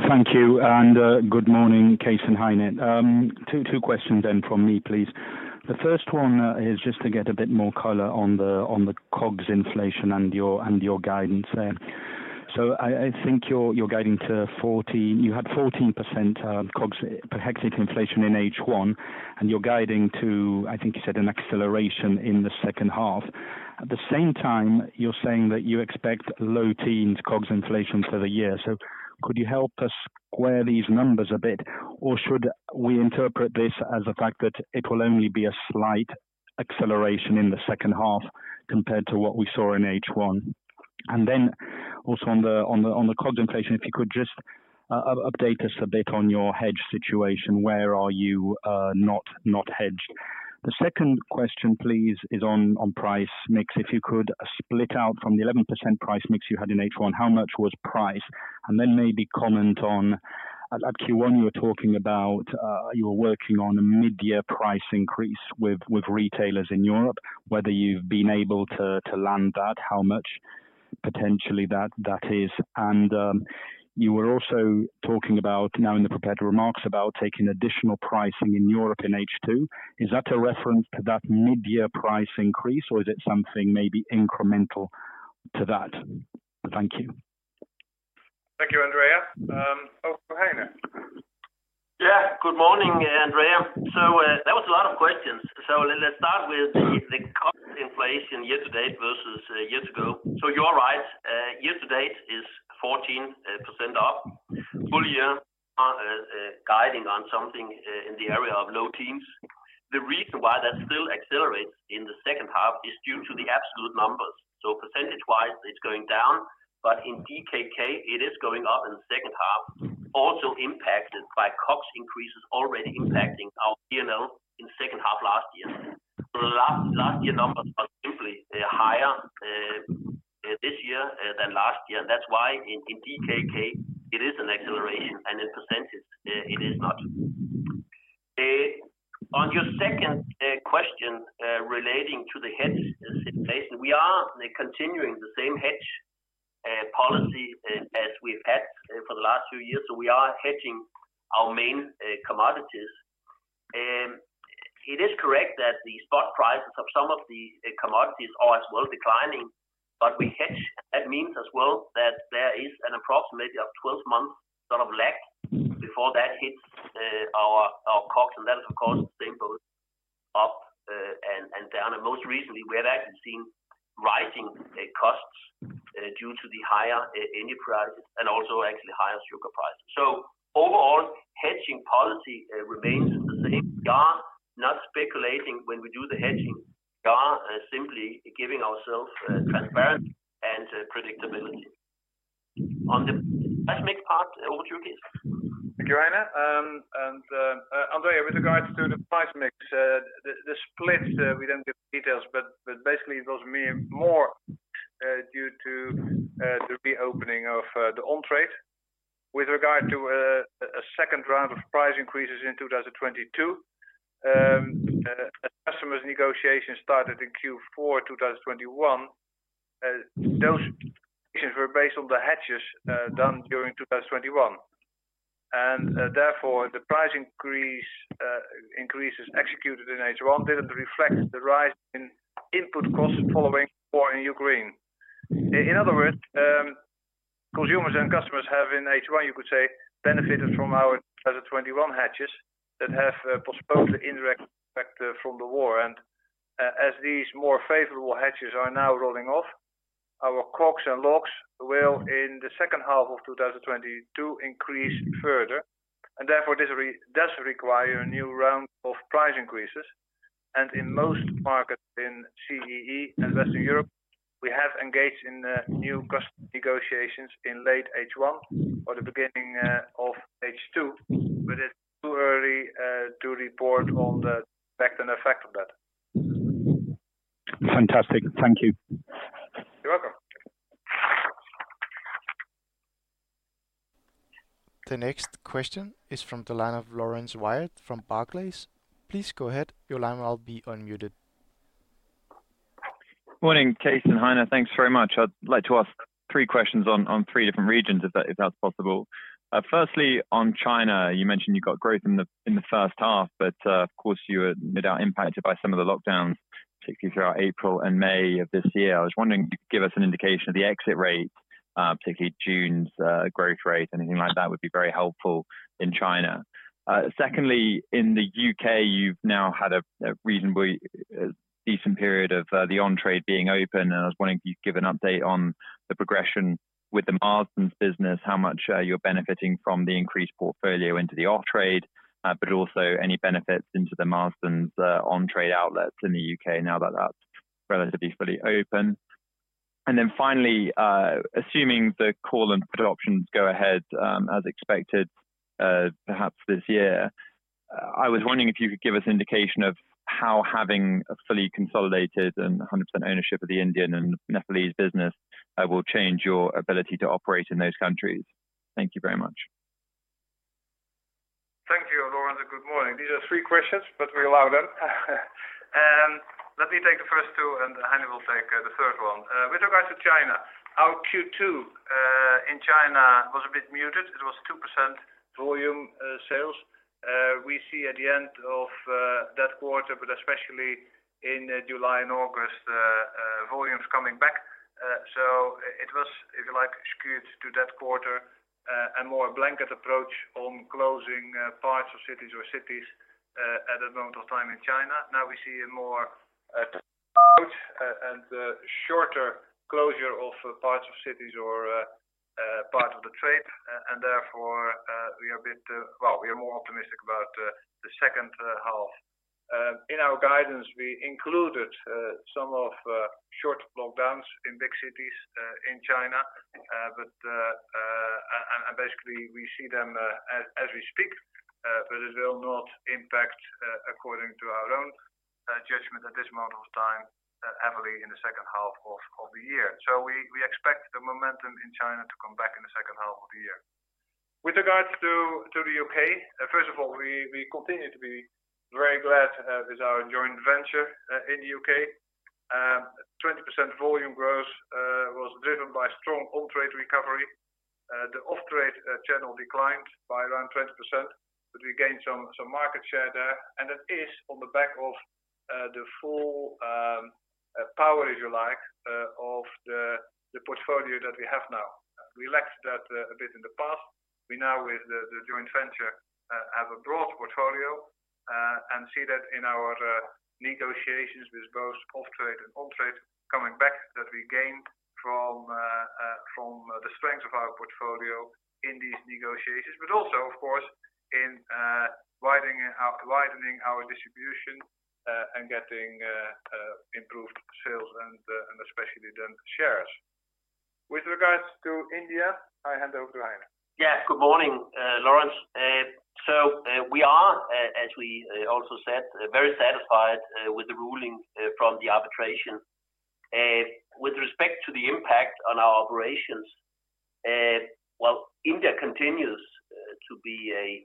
Speaker 4: Thank you, and good morning, Cees and Heine. Two questions from me, please. The first one is just to get a bit more color on the COGS inflation and your guidance there. I think you're guiding to 14%. You had 14% COGS per hectoliter inflation in H1, and you're guiding to, I think you said, an acceleration in the second half. At the same time, you're saying that you expect low teens% COGS inflation for the year. Could you help us square these numbers a bit? Or should we interpret this as the fact that it will only be a slight acceleration in the second half compared to what we saw in H1? On the COGS inflation, if you could just update us a bit on your hedge situation, where are you not hedged? The second question, please, is on price mix. If you could split out from the 11% price mix you had in H1, how much was price? Then maybe comment on, at Q1 you were talking about you were working on a mid-year price increase with retailers in Europe, whether you've been able to land that, how much potentially that is. You were also talking about now in the prepared remarks about taking additional pricing in Europe in H2. Is that a reference to that mid-year price increase, or is it something maybe incremental to that? Thank you.
Speaker 2: Thank you, Andrea. Over to Heine.
Speaker 3: Yeah. Good morning, Andrea. That was a lot of questions. Let's start with the cost inflation year to date versus years ago. You're right. Year to date is 14% up. Full year guiding on something in the area of low teens. The reason why that still accelerates in the second half is due to the absolute numbers. Percentage-wise, it's going down. In DKK, it is going up in the second half, also impacted by COGS increases already impacting our P&L in the second half last year. Last year numbers are simply they're higher this year than last year. That's why in DKK, it is an acceleration, and in percentage, it is not. On your second question relating to the hedge situation, we are continuing the same hedge policy as we've had for the last few years. We are hedging our main commodities. It is correct that the spot prices of some of the commodities are as well declining, but we hedge. That means as well that there is an approximately 12 months sort of lag before that hits our COGS, and that is, of course, the same both up and down. Most recently, we have actually seen rising costs due to the higher input prices and also actually higher sugar prices. Overall, hedging policy remains the same. We are not speculating when we do the hedging. We are simply giving ourselves transparency and predictability. On the price mix part, over to you, Cees.
Speaker 2: Thank you, Heine. Andrea, with regards to the price mix, the split, we don't give details, but basically it was more due to the reopening of the on-trade. With regard to a second round of price increases in 2022, customers' negotiations started in Q4 2021. Those negotiations were based on the hedges done during 2021. Therefore, the price increases executed in H1 didn't reflect the rise in input costs following war in Ukraine. In other words, consumers and customers have in H1, you could say, benefited from our 2021 hedges that have postponed the indirect effect from the war. As these more favorable hedges are now rolling off, our COGS and LOGS will, in the second half of 2022, increase further. Therefore, this requires a new round of price increases. In most markets in CEE and Western Europe, we have engaged in new customer negotiations in late H1 or the beginning of H2. It's too early to report on the impact and effect of that.
Speaker 4: Fantastic. Thank you.
Speaker 2: You're welcome.
Speaker 1: The next question is from the line of Laurence Whyatt from Barclays. Please go ahead. Your line will be unmuted.
Speaker 5: Morning, Cees and Heine. Thanks very much. I'd like to ask three questions on three different regions if that's possible. Firstly, on China, you mentioned you got growth in the first half, but of course you were no doubt impacted by some of the lockdowns, particularly throughout April and May of this year. I was wondering if you could give us an indication of the exit rate, particularly June's growth rate. Anything like that would be very helpful in China. Secondly, in the U.K., you've now had a reasonably decent period of the on-trade being open, and I was wondering if you could give an update on the progression with the Marston's business, how much you're benefiting from the increased portfolio into the off-trade, but also any benefits into the Marston's on-trade outlets in the U.K. now that that's relatively fully open. Then finally, assuming the call and put options go ahead as expected, perhaps this year, I was wondering if you could give us indication of how having a fully consolidated and 100% ownership of the Indian and Nepalese business will change your ability to operate in those countries. Thank you very much.
Speaker 2: Thank you, Laurence, and good morning. These are three questions, but we allow them. Let me take the first two, and Heine will take the third one. With regards to China, our Q2 in China was a bit muted. It was 2% volume sales. We see at the end of that quarter, but especially in July and August, volumes coming back. It was, if you like, skewed to that quarter, and more blanket approach on closing parts of cities or cities at that moment of time in China. Now we see a more approach and shorter closure of parts of cities or part of the trade. Therefore, we are a bit, well, we are more optimistic about the second half. In our guidance, we included some short lockdowns in big cities in China. Basically we see them as we speak, but it will not impact according to our own judgment at this moment of time heavily in the second half of the year. We expect the momentum in China to come back in the second half of the year. With regards to the U.K., first of all, we continue to be very glad with our joint venture in the U.K. 20% volume growth was driven by strong on-trade recovery. The off-trade channel declined by around 20%, but we gained some market share there. That is on the back of the full power, if you like, of the portfolio that we have now. We lacked that a bit in the past. We now with the joint venture have a broad portfolio and see that in our negotiations with both off-trade and on-trade coming back that we gained from the strength of our portfolio in these negotiations. But also, of course, in widening our distribution and getting improved sales and especially then shares. With regards to India, I hand over to Heine.
Speaker 3: Yeah. Good morning, Laurence. So, as we also said, very satisfied with the ruling from the arbitration. With respect to the impact on our operations, India continues to be a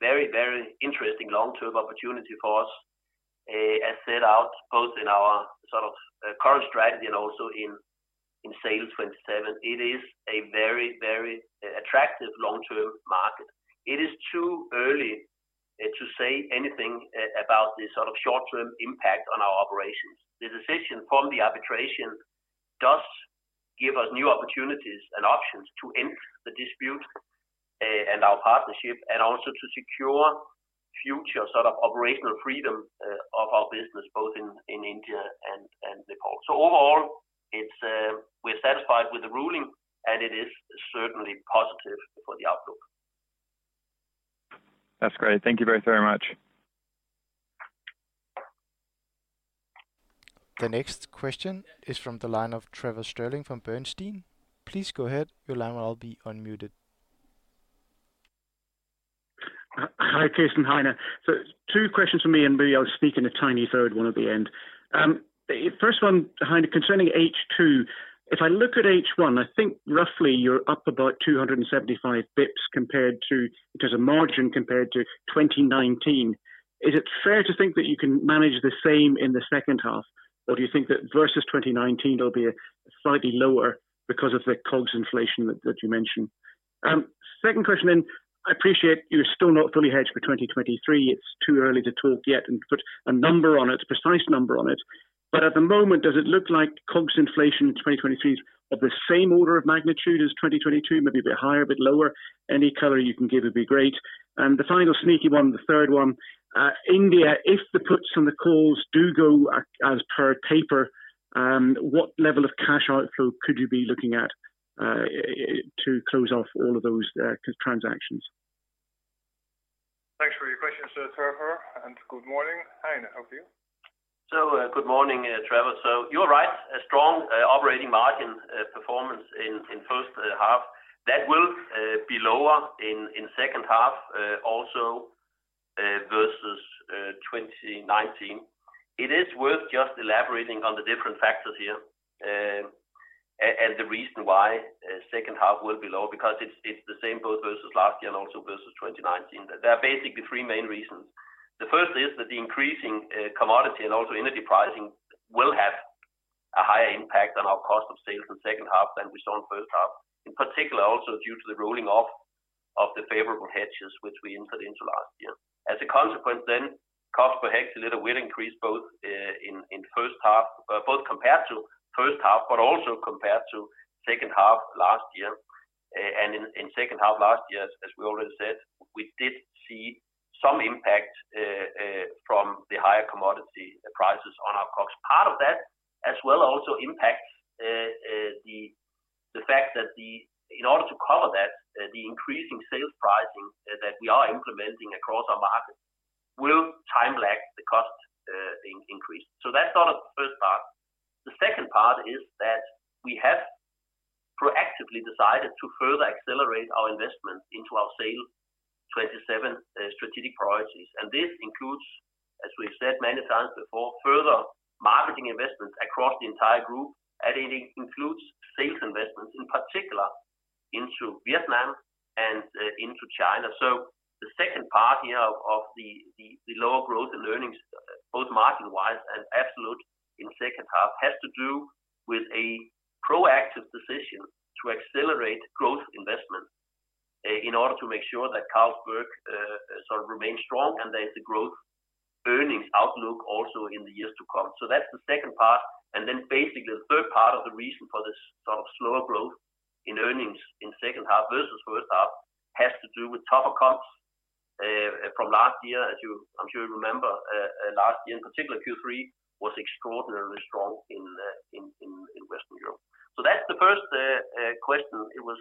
Speaker 3: very, very interesting long-term opportunity for us. As set out both in our sort of current strategy and also in SAIL '27, it is a very, very attractive long-term market. It is too early to say anything about the sort of short-term impact on our operations. The decision from the arbitration does give us new opportunities and options to end the dispute and our partnership, and also to secure future sort of operational freedom of our business both in India and Nepal. Overall, we're satisfied with the ruling, and it is certainly positive for the outlook.
Speaker 5: That's great. Thank you both very much.
Speaker 1: The next question is from the line of Trevor Stirling from Bernstein. Please go ahead. Your line will now be unmuted.
Speaker 6: Hi, Cees and Heine. Two questions for me, and maybe I'll speak in a tiny third one at the end. First one, Heine, concerning H2. If I look at H1, I think roughly you're up about 275 basis points compared to, as a margin compared to 2019. Is it fair to think that you can manage the same in the second half? Or do you think that versus 2019, there'll be a slightly lower because of the COGS inflation that you mentioned? Second question. I appreciate you're still not fully hedged for 2023. It's too early to talk yet and put a number on it, a precise number on it. But at the moment, does it look like COGS inflation in 2023 is of the same order of magnitude as 2022, maybe a bit higher, a bit lower? Any color you can give would be great. The final sneaky one, the third one, India, if the puts and the calls do go as per taper, what level of cash outflow could you be looking at, to close off all of those, transactions?
Speaker 2: Thanks for your questions, Trevor, and good morning. Heine, over to you.
Speaker 3: Good morning, Trevor. You're right. A strong operating margin performance in first half. That will be lower in second half also versus 2019. It is worth just elaborating on the different factors here and the reason why second half will be low, because it's the same both versus last year and also versus 2019. There are basically three main reasons. The first is that the increasing commodity and also energy pricing will have a higher impact on our cost of sales in second half than we saw in first half. In particular, also due to the rolling off of the favorable hedges which we entered into last year. As a consequence, cost per hectoliter will increase both in first half. Both compared to first half, but also compared to second half last year. In second half last year, as we already said, we did see some impact from the higher commodity prices on our COGS. Part of that as well also impacts the fact that. In order to cover that, the increasing sales pricing that we are implementing across our markets will time lag the cost increase. That's sort of the first part. The second part is that we have proactively decided to further accelerate our investment into our SAIL '27 strategic priorities. This includes, as we've said many times before, further marketing investments across the entire group, and it includes sales investments, in particular into Vietnam and into China. The second part here of the lower growth in earnings, both margin-wise and absolute in second half, has to do with a proactive decision to accelerate growth investment in order to make sure that Carlsberg sort of remains strong and there's a growth earnings outlook also in the years to come. That's the second part. Basically, the third part of the reason for this sort of slower growth in earnings in second half versus first half has to do with tougher comps from last year. As you, I'm sure you remember, last year in particular, Q3 was extraordinarily strong in Western Europe. That's the first question. It was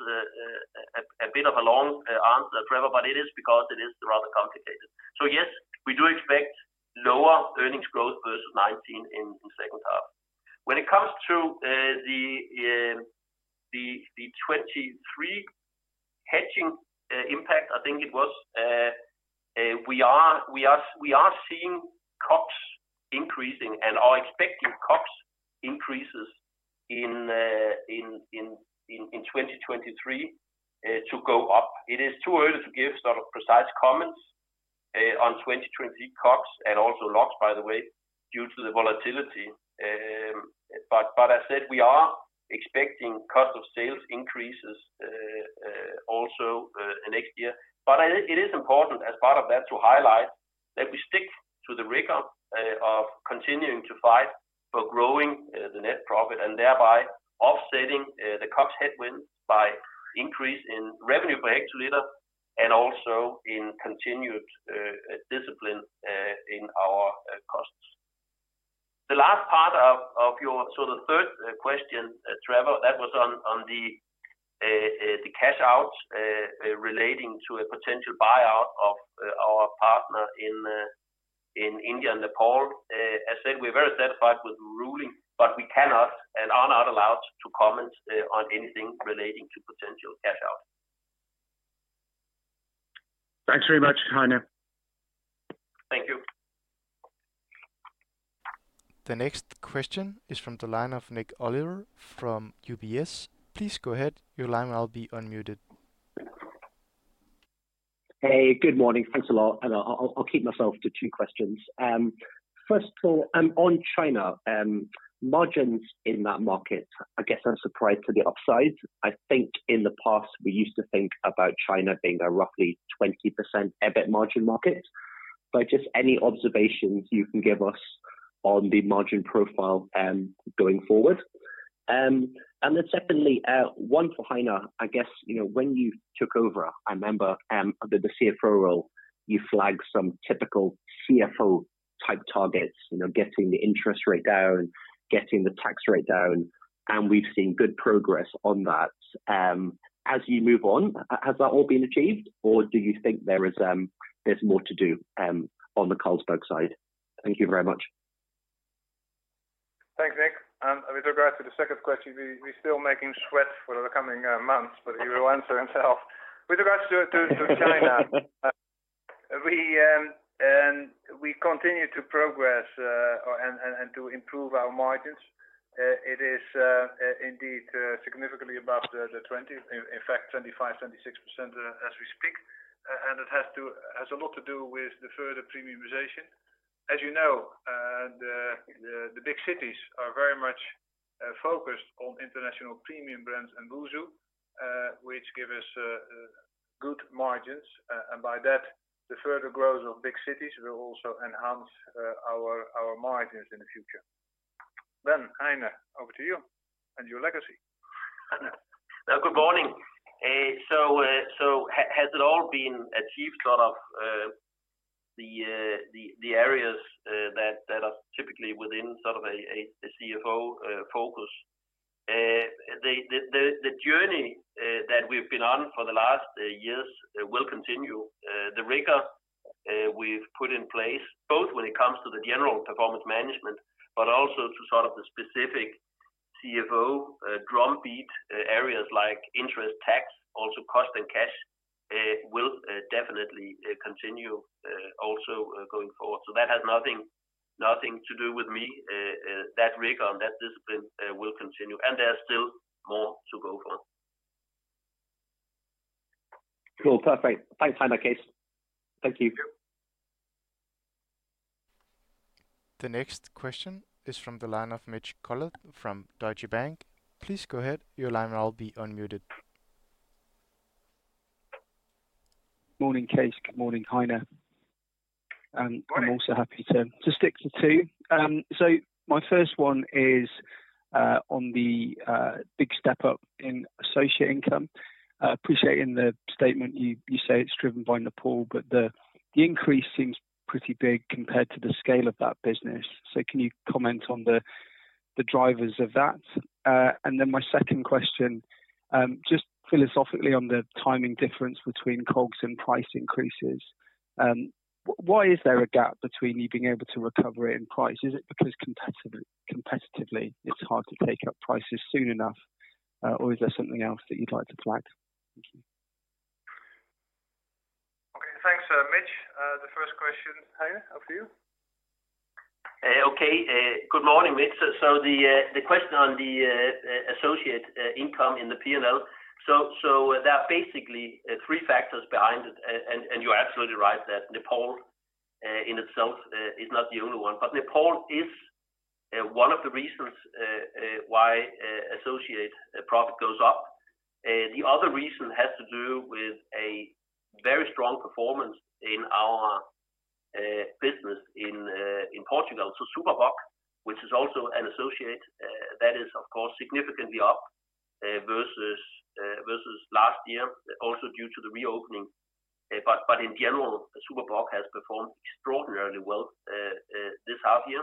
Speaker 3: a bit of a long answer, Trevor, but it is because it is rather complicated. Yes, we do expect lower earnings growth versus 2019 in second half. When it comes to the 2023 hedging impact, I think we are seeing COGS increasing and are expecting COGS increases in 2023 to go up. It is too early to give sort of precise comments on 2023 COGS and also LOGS, by the way, due to the volatility. I said we are expecting cost of sales increases also next year. It is important as part of that to highlight that we stick to the rigor of continuing to fight for growing the net profit and thereby offsetting the COGS headwind by increase in revenue per hectoliter and also in continued discipline in our costs. The third question, Trevor, that was on the cash outs relating to a potential buyout of our partner in India and Nepal. As said, we're very satisfied with the ruling, but we cannot and are not allowed to comment on anything relating to potential cash out.
Speaker 6: Thanks very much, Heine.
Speaker 3: Thank you.
Speaker 1: The next question is from the line of Nik Oliver from UBS. Please go ahead. Your line will now be unmuted.
Speaker 7: Hey, good morning. Thanks a lot. I'll keep myself to two questions. First of all, on China, margins in that market, I guess I'm surprised to the upside. I think in the past, we used to think about China being a roughly 20% EBIT margin market. Just any observations you can give us on the margin profile going forward. Secondly, one for Heine, I guess, you know, when you took over, I remember, under the CFO role, you flagged some typical CFO type targets. You know, getting the interest rate down, getting the tax rate down, and we've seen good progress on that. As you move on, has that all been achieved or do you think there is, there's more to do, on the Carlsberg side? Thank you very much.
Speaker 2: With regards to the second question, we're still sweating for the coming months, but he will answer himself. With regards to China, we continue to progress and to improve our margins. It is indeed significantly above the 20%, in fact 25%-26%, as we speak. It has a lot to do with the further premiumization. As you know, the big cities are very much focused on international premium brands and Budweiser, which give us good margins. By that, the further growth of big cities will also enhance our margins in the future. Heine, over to you and your questions.
Speaker 3: Good morning. So has it all been achieved sort of, the areas that are typically within sort of a CFO focus? The journey that we've been on for the last years will continue. The rigor we've put in place, both when it comes to the general performance management, but also to sort of the specific CFO drumbeat areas like interest, tax, also cost and cash, will definitely continue, also going forward. That has nothing to do with me. That rigor and that discipline will continue, and there's still more to go for.
Speaker 7: Cool. Perfect. Thanks, Heine, Cees. Thank you.
Speaker 1: The next question is from the line of Mitch Collett from Deutsche Bank. Please go ahead. Your line will now be unmuted.
Speaker 8: Morning, Cees. Good morning, Heine. I'm happy to stick to two. My first one is on the big step up in associate income. Appreciating the statement, you say it's driven by Nepal, but the increase seems pretty big compared to the scale of that business. Can you comment on the drivers of that? My second question, just philosophically on the timing difference between COGS and price increases. Why is there a gap between you being able to recover it in price? Is it because competitively, it's hard to take up prices soon enough? Is there something else that you'd like to flag? Thank you.
Speaker 2: Okay. Thanks, Mitch. The first question, Heine, over to you.
Speaker 3: Okay. Good morning, Mitch. The question on the associate income in the P&L. There are basically three factors behind it. You're absolutely right that Nepal in itself is not the only one. Nepal is one of the reasons why associate profit goes up. The other reason has to do with a very strong performance in our business in Portugal. Super Bock, which is also an associate, that is of course significantly up versus last year, also due to the reopening. In general, Super Bock has performed extraordinarily well this half year,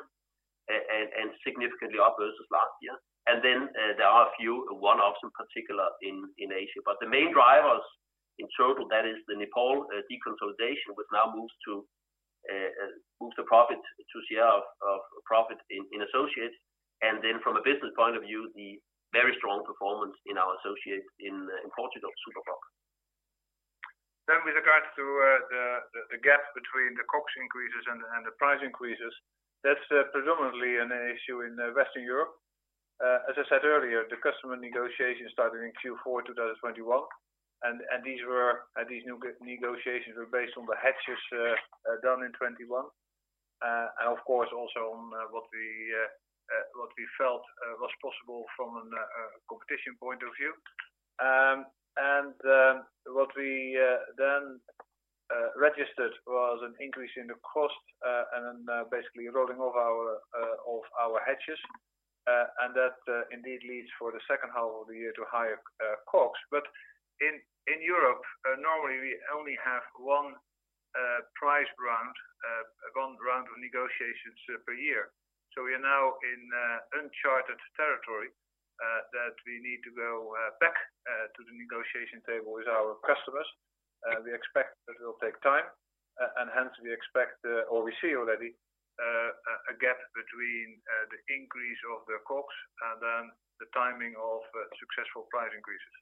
Speaker 3: and significantly up versus last year. There are a few one-offs in particular in Asia. The main drivers in total, that is the Nepal deconsolidation, which now moves the profit to CL of profit in associates. From a business point of view, the very strong performance in our associates in Portugal, Super Bock.
Speaker 2: With regards to the gap between the COGS increases and the price increases, that's predominantly an issue in Western Europe. As I said earlier, the customer negotiations started in Q4 2021, and these new negotiations were based on the hedges done in 2021. Of course, also on what we felt was possible from a competition point of view. What we then registered was an increase in the cost and then basically rolling off our hedges. That indeed leads for the second half of the year to higher COGS. In Europe, normally we only have one price round, one round of negotiations per year. We are now in uncharted territory that we need to go back to the negotiation table with our customers. We expect that it will take time, and hence we expect or we see already a gap between the increase of the COGS and then the timing of successful price increases.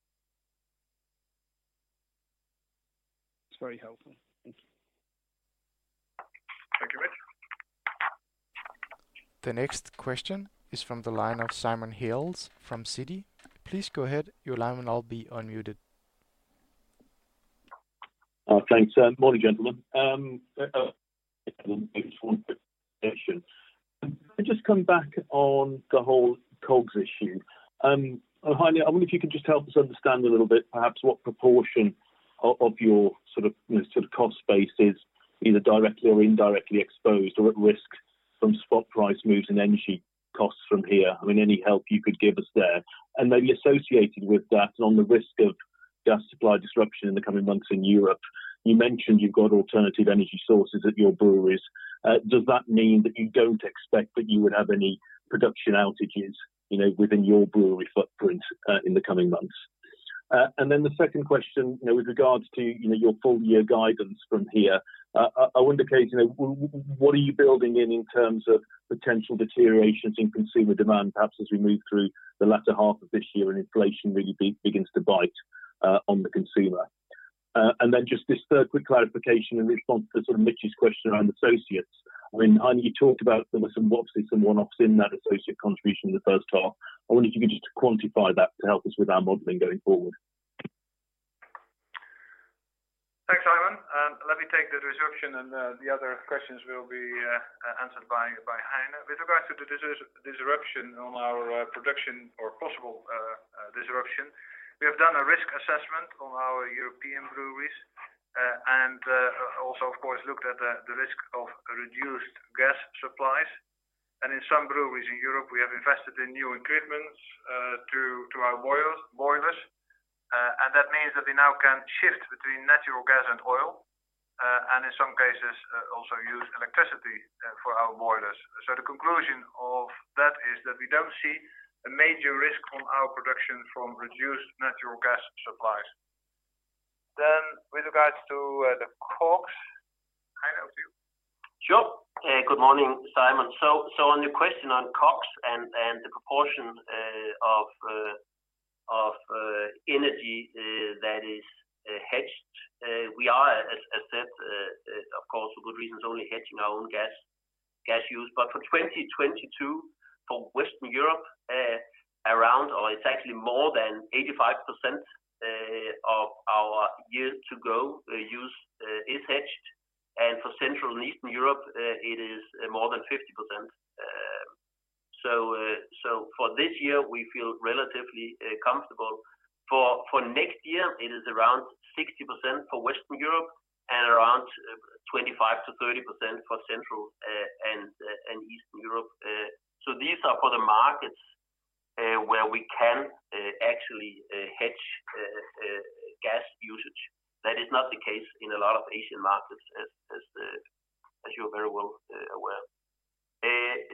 Speaker 8: It's very helpful. Thank you.
Speaker 2: Thank you, Mitch.
Speaker 1: The next question is from the line of Simon Hales from Citi. Please go ahead. Your line will now be unmuted.
Speaker 9: Thanks. Morning, gentlemen. Just one quick question. Can I just come back on the whole COGS issue? Heine, I wonder if you can just help us understand a little bit perhaps what proportion of your sort of, you know, sort of cost base is either directly or indirectly exposed or at risk from spot price moves and energy costs from here. I mean, any help you could give us there. And maybe associated with that and on the risk of gas supply disruption in the coming months in Europe, you mentioned you've got alternative energy sources at your breweries. Does that mean that you don't expect that you would have any production outages, you know, within your brewery footprint, in the coming months? And then the second question, you know, with regards to, you know, your full year guidance from here. I wonder, Cees, you know, what are you building in in terms of potential deteriorations in consumer demand, perhaps as we move through the latter half of this year and inflation really begins to bite on the consumer? Then just this third quick clarification in response to sort of Mitch's question around associates. I mean, I know you talked about there were some OpEx and some one-offs in that associate contribution in the first half. I wondered if you could just quantify that to help us with our modeling going forward.
Speaker 2: Thanks, Simon. Let me take the disruption and the other questions will be answered by Heine Dalsgaard. With regards to the disruption on our production or possible disruption, we have done a risk assessment on our European breweries and also of course looked at the risk of reduced gas supplies. In some breweries in Europe, we have invested in new equipment to our boilers and that means that we now can shift between natural gas and oil and in some cases also use electricity for our boilers. The conclusion of that is that we don't see a major risk on our production from reduced natural gas supplies. With regards to the COGS, Heine Dalsgaard to you.
Speaker 3: Sure. Good morning, Simon. On your question on COGS and the proportion of energy that is hedged, we are as said, of course for good reasons only hedging our own gas use. For 2022, for Western Europe, it's actually more than 85% of our year to go use is hedged. For Central and Eastern Europe, it is more than 50%. For this year, we feel relatively comfortable. For next year it is around 60% for Western Europe and around 25%-30% for Central and Eastern Europe. These are for the markets where we can actually hedge gas usage. That is not the case in a lot of Asian markets as you're very well aware.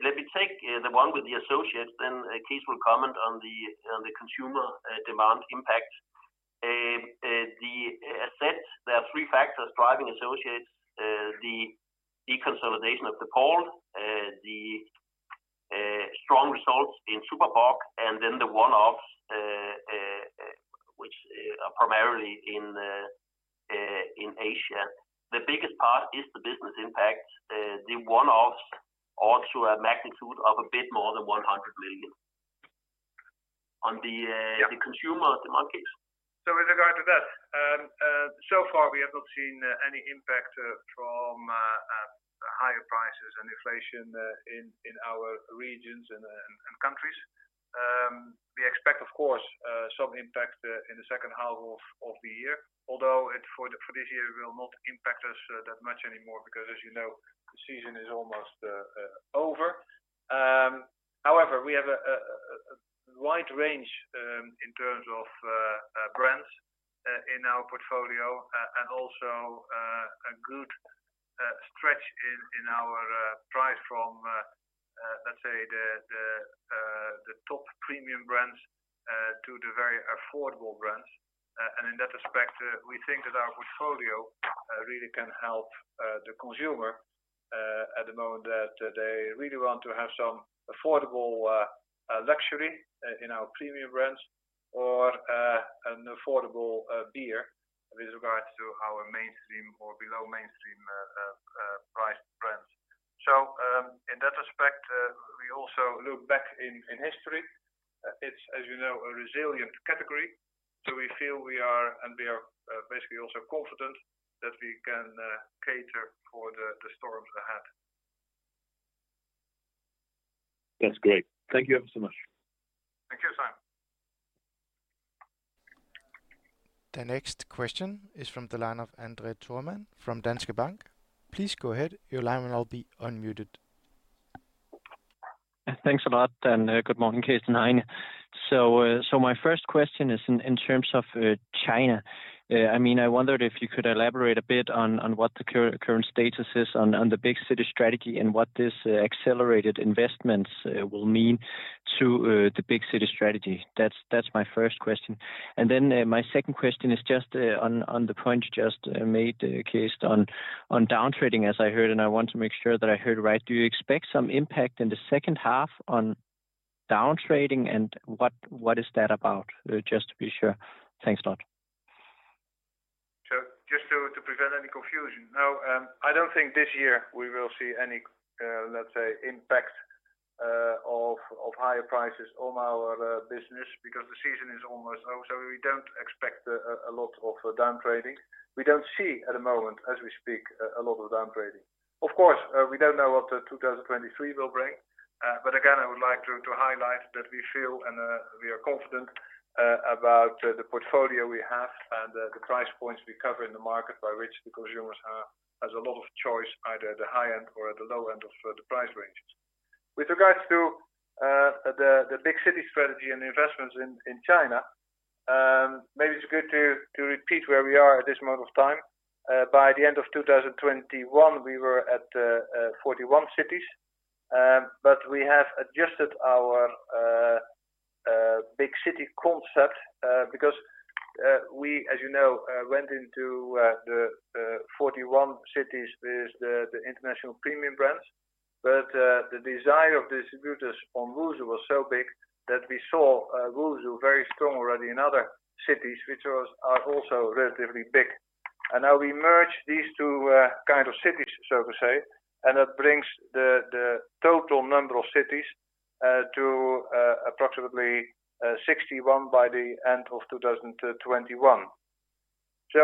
Speaker 3: Let me take the one with the associates then. Cees will comment on the consumer demand impact. There are three factors driving associates, the deconsolidation of the pub, the strong results in Super Bock and then the one-offs, which are primarily in Asia. The biggest part is the business impact. The one-offs also a magnitude of a bit more than 100 million. On the
Speaker 2: Yeah.
Speaker 3: The consumer demand case.
Speaker 2: With regard to that, so far we have not seen any impact from higher prices and inflation in our regions and countries. We expect, of course, some impact in the second half of the year, although for this year will not impact us that much anymore because as you know, the season is almost over. However, we have a wide range in terms of brands in our portfolio and also a good stretch in our price from, let's say, the top premium brands to the very affordable brands. In that respect, we think that our portfolio really can help the consumer at the moment that they really want to have some affordable luxury in our premium brands or an affordable beer with regards to our mainstream or below mainstream priced brands. In that respect, we also look back in history. It's as you know a resilient category. We feel we are basically also confident that we can cater for the storms ahead.
Speaker 9: That's great. Thank you ever so much.
Speaker 2: Thank you, Simon.
Speaker 1: The next question is from the line of André Thormann from Danske Bank. Please go ahead, your line will now be unmuted.
Speaker 10: Thanks a lot, good morning Cees and Heine. My first question is in terms of China. I mean, I wondered if you could elaborate a bit on what the current status is on the big city strategy and what this accelerated investments will mean to the big city strategy. That's my first question. My second question is just on the point you just made, Cees, on downtrading as I heard, and I want to make sure that I heard right. Do you expect some impact in the second half on downtrading? And what is that about? Just to be sure. Thanks a lot.
Speaker 2: Just to prevent any confusion. No, I don't think this year we will see any, let's say, impact of higher prices on our business because the season is almost over. We don't expect a lot of downtrading. We don't see at the moment as we speak, a lot of downtrading. Of course, we don't know what 2023 will bring. But again, I would like to highlight that we feel and we are confident about the portfolio we have and the price points we cover in the market by which the consumers have, has a lot of choice, either at the high end or at the low end of the price ranges. With regards to the big city strategy and the investments in China, maybe it's good to repeat where we are at this moment of time. By the end of 2021, we were at 41 cities. We have adjusted our big city concept, because, as you know, we went into the 41 cities with the international premium brands. The desire of distributors on WuSu was so big that we saw WuSu very strong already in other cities, which are also relatively big. Now we merge these two kind of cities, so to say, and that brings the total number of cities to approximately 61 by the end of 2021.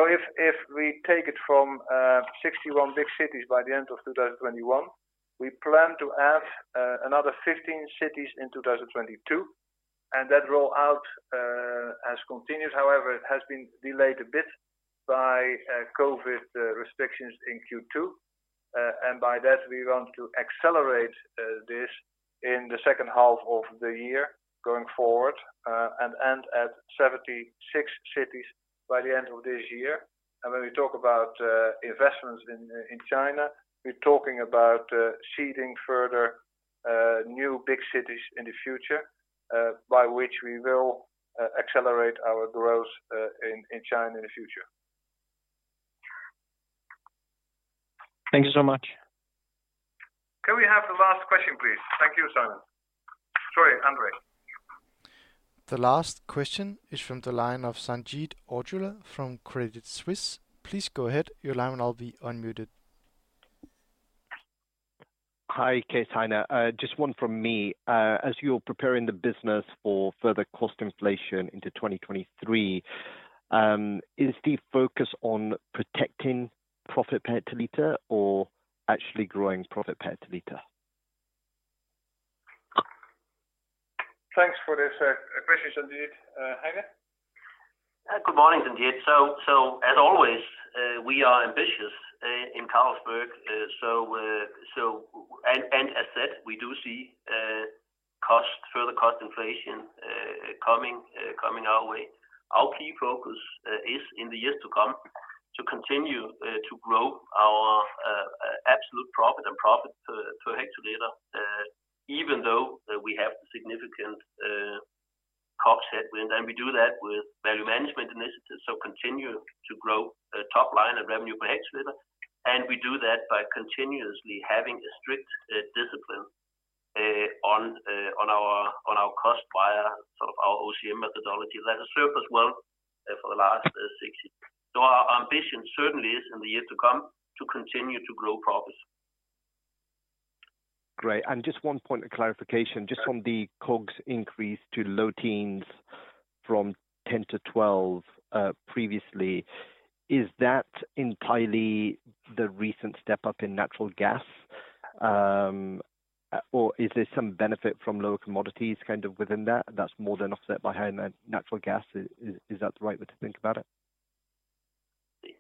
Speaker 2: If we take it from 61 big cities by the end of 2021, we plan to add another 15 cities in 2022, and that rollout has continued. However, it has been delayed a bit by COVID restrictions in Q2. By that, we want to accelerate this in the second half of the year going forward, and end at 76 cities by the end of this year. When we talk about investments in China, we're talking about seeding further new big cities in the future, by which we will accelerate our growth in China in the future.
Speaker 10: Thank you so much.
Speaker 2: Can we have the last question, please? Thank you, Simon. Sorry, André.
Speaker 1: The last question is from the line of Sanjeet Aujla from Credit Suisse. Please go ahead. Your line will now be unmuted.
Speaker 11: Hi, Cees, Heine. Just one from me. As you're preparing the business for further cost inflation into 2023, is the focus on protecting profit per hectoliter or actually growing profit per hectoliter?
Speaker 2: Thanks for this, question, Sanjeet. Heine?
Speaker 3: Good morning, Sanjeet. As always, we are ambitious in Carlsberg. As said, we do see further cost inflation coming our way. Our key focus is in the years to come to continue to grow our absolute profit and profit per hectoliter even though we have significant COGS headwind. We do that with value management initiatives, so continue to grow top line and revenue per hectoliter. We do that by continuously having a strict discipline on our cost via sort of our OCM methodology. That has served us well for the last six years. Our ambition certainly is in the years to come to continue to grow profits.
Speaker 11: Great. Just one point of clarification.
Speaker 2: Sure.
Speaker 11: Just from the COGS increase to low teens% from 10% to 12% previously, is that entirely the recent step up in natural gas? Or is there some benefit from lower commodities kind of within that's more than offset by high natural gas? Is that the right way to think about it?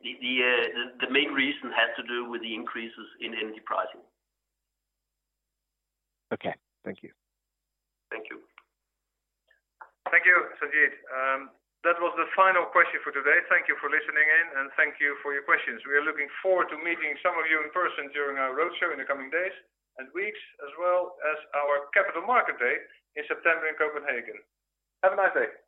Speaker 3: The main reason has to do with the increases in energy pricing.
Speaker 11: Okay. Thank you.
Speaker 3: Thank you.
Speaker 2: Thank you, Sanjeet. That was the final question for today. Thank you for listening in, and thank you for your questions. We are looking forward to meeting some of you in person during our roadshow in the coming days and weeks, as well as our Capital Market Day in September in Copenhagen. Have a nice day.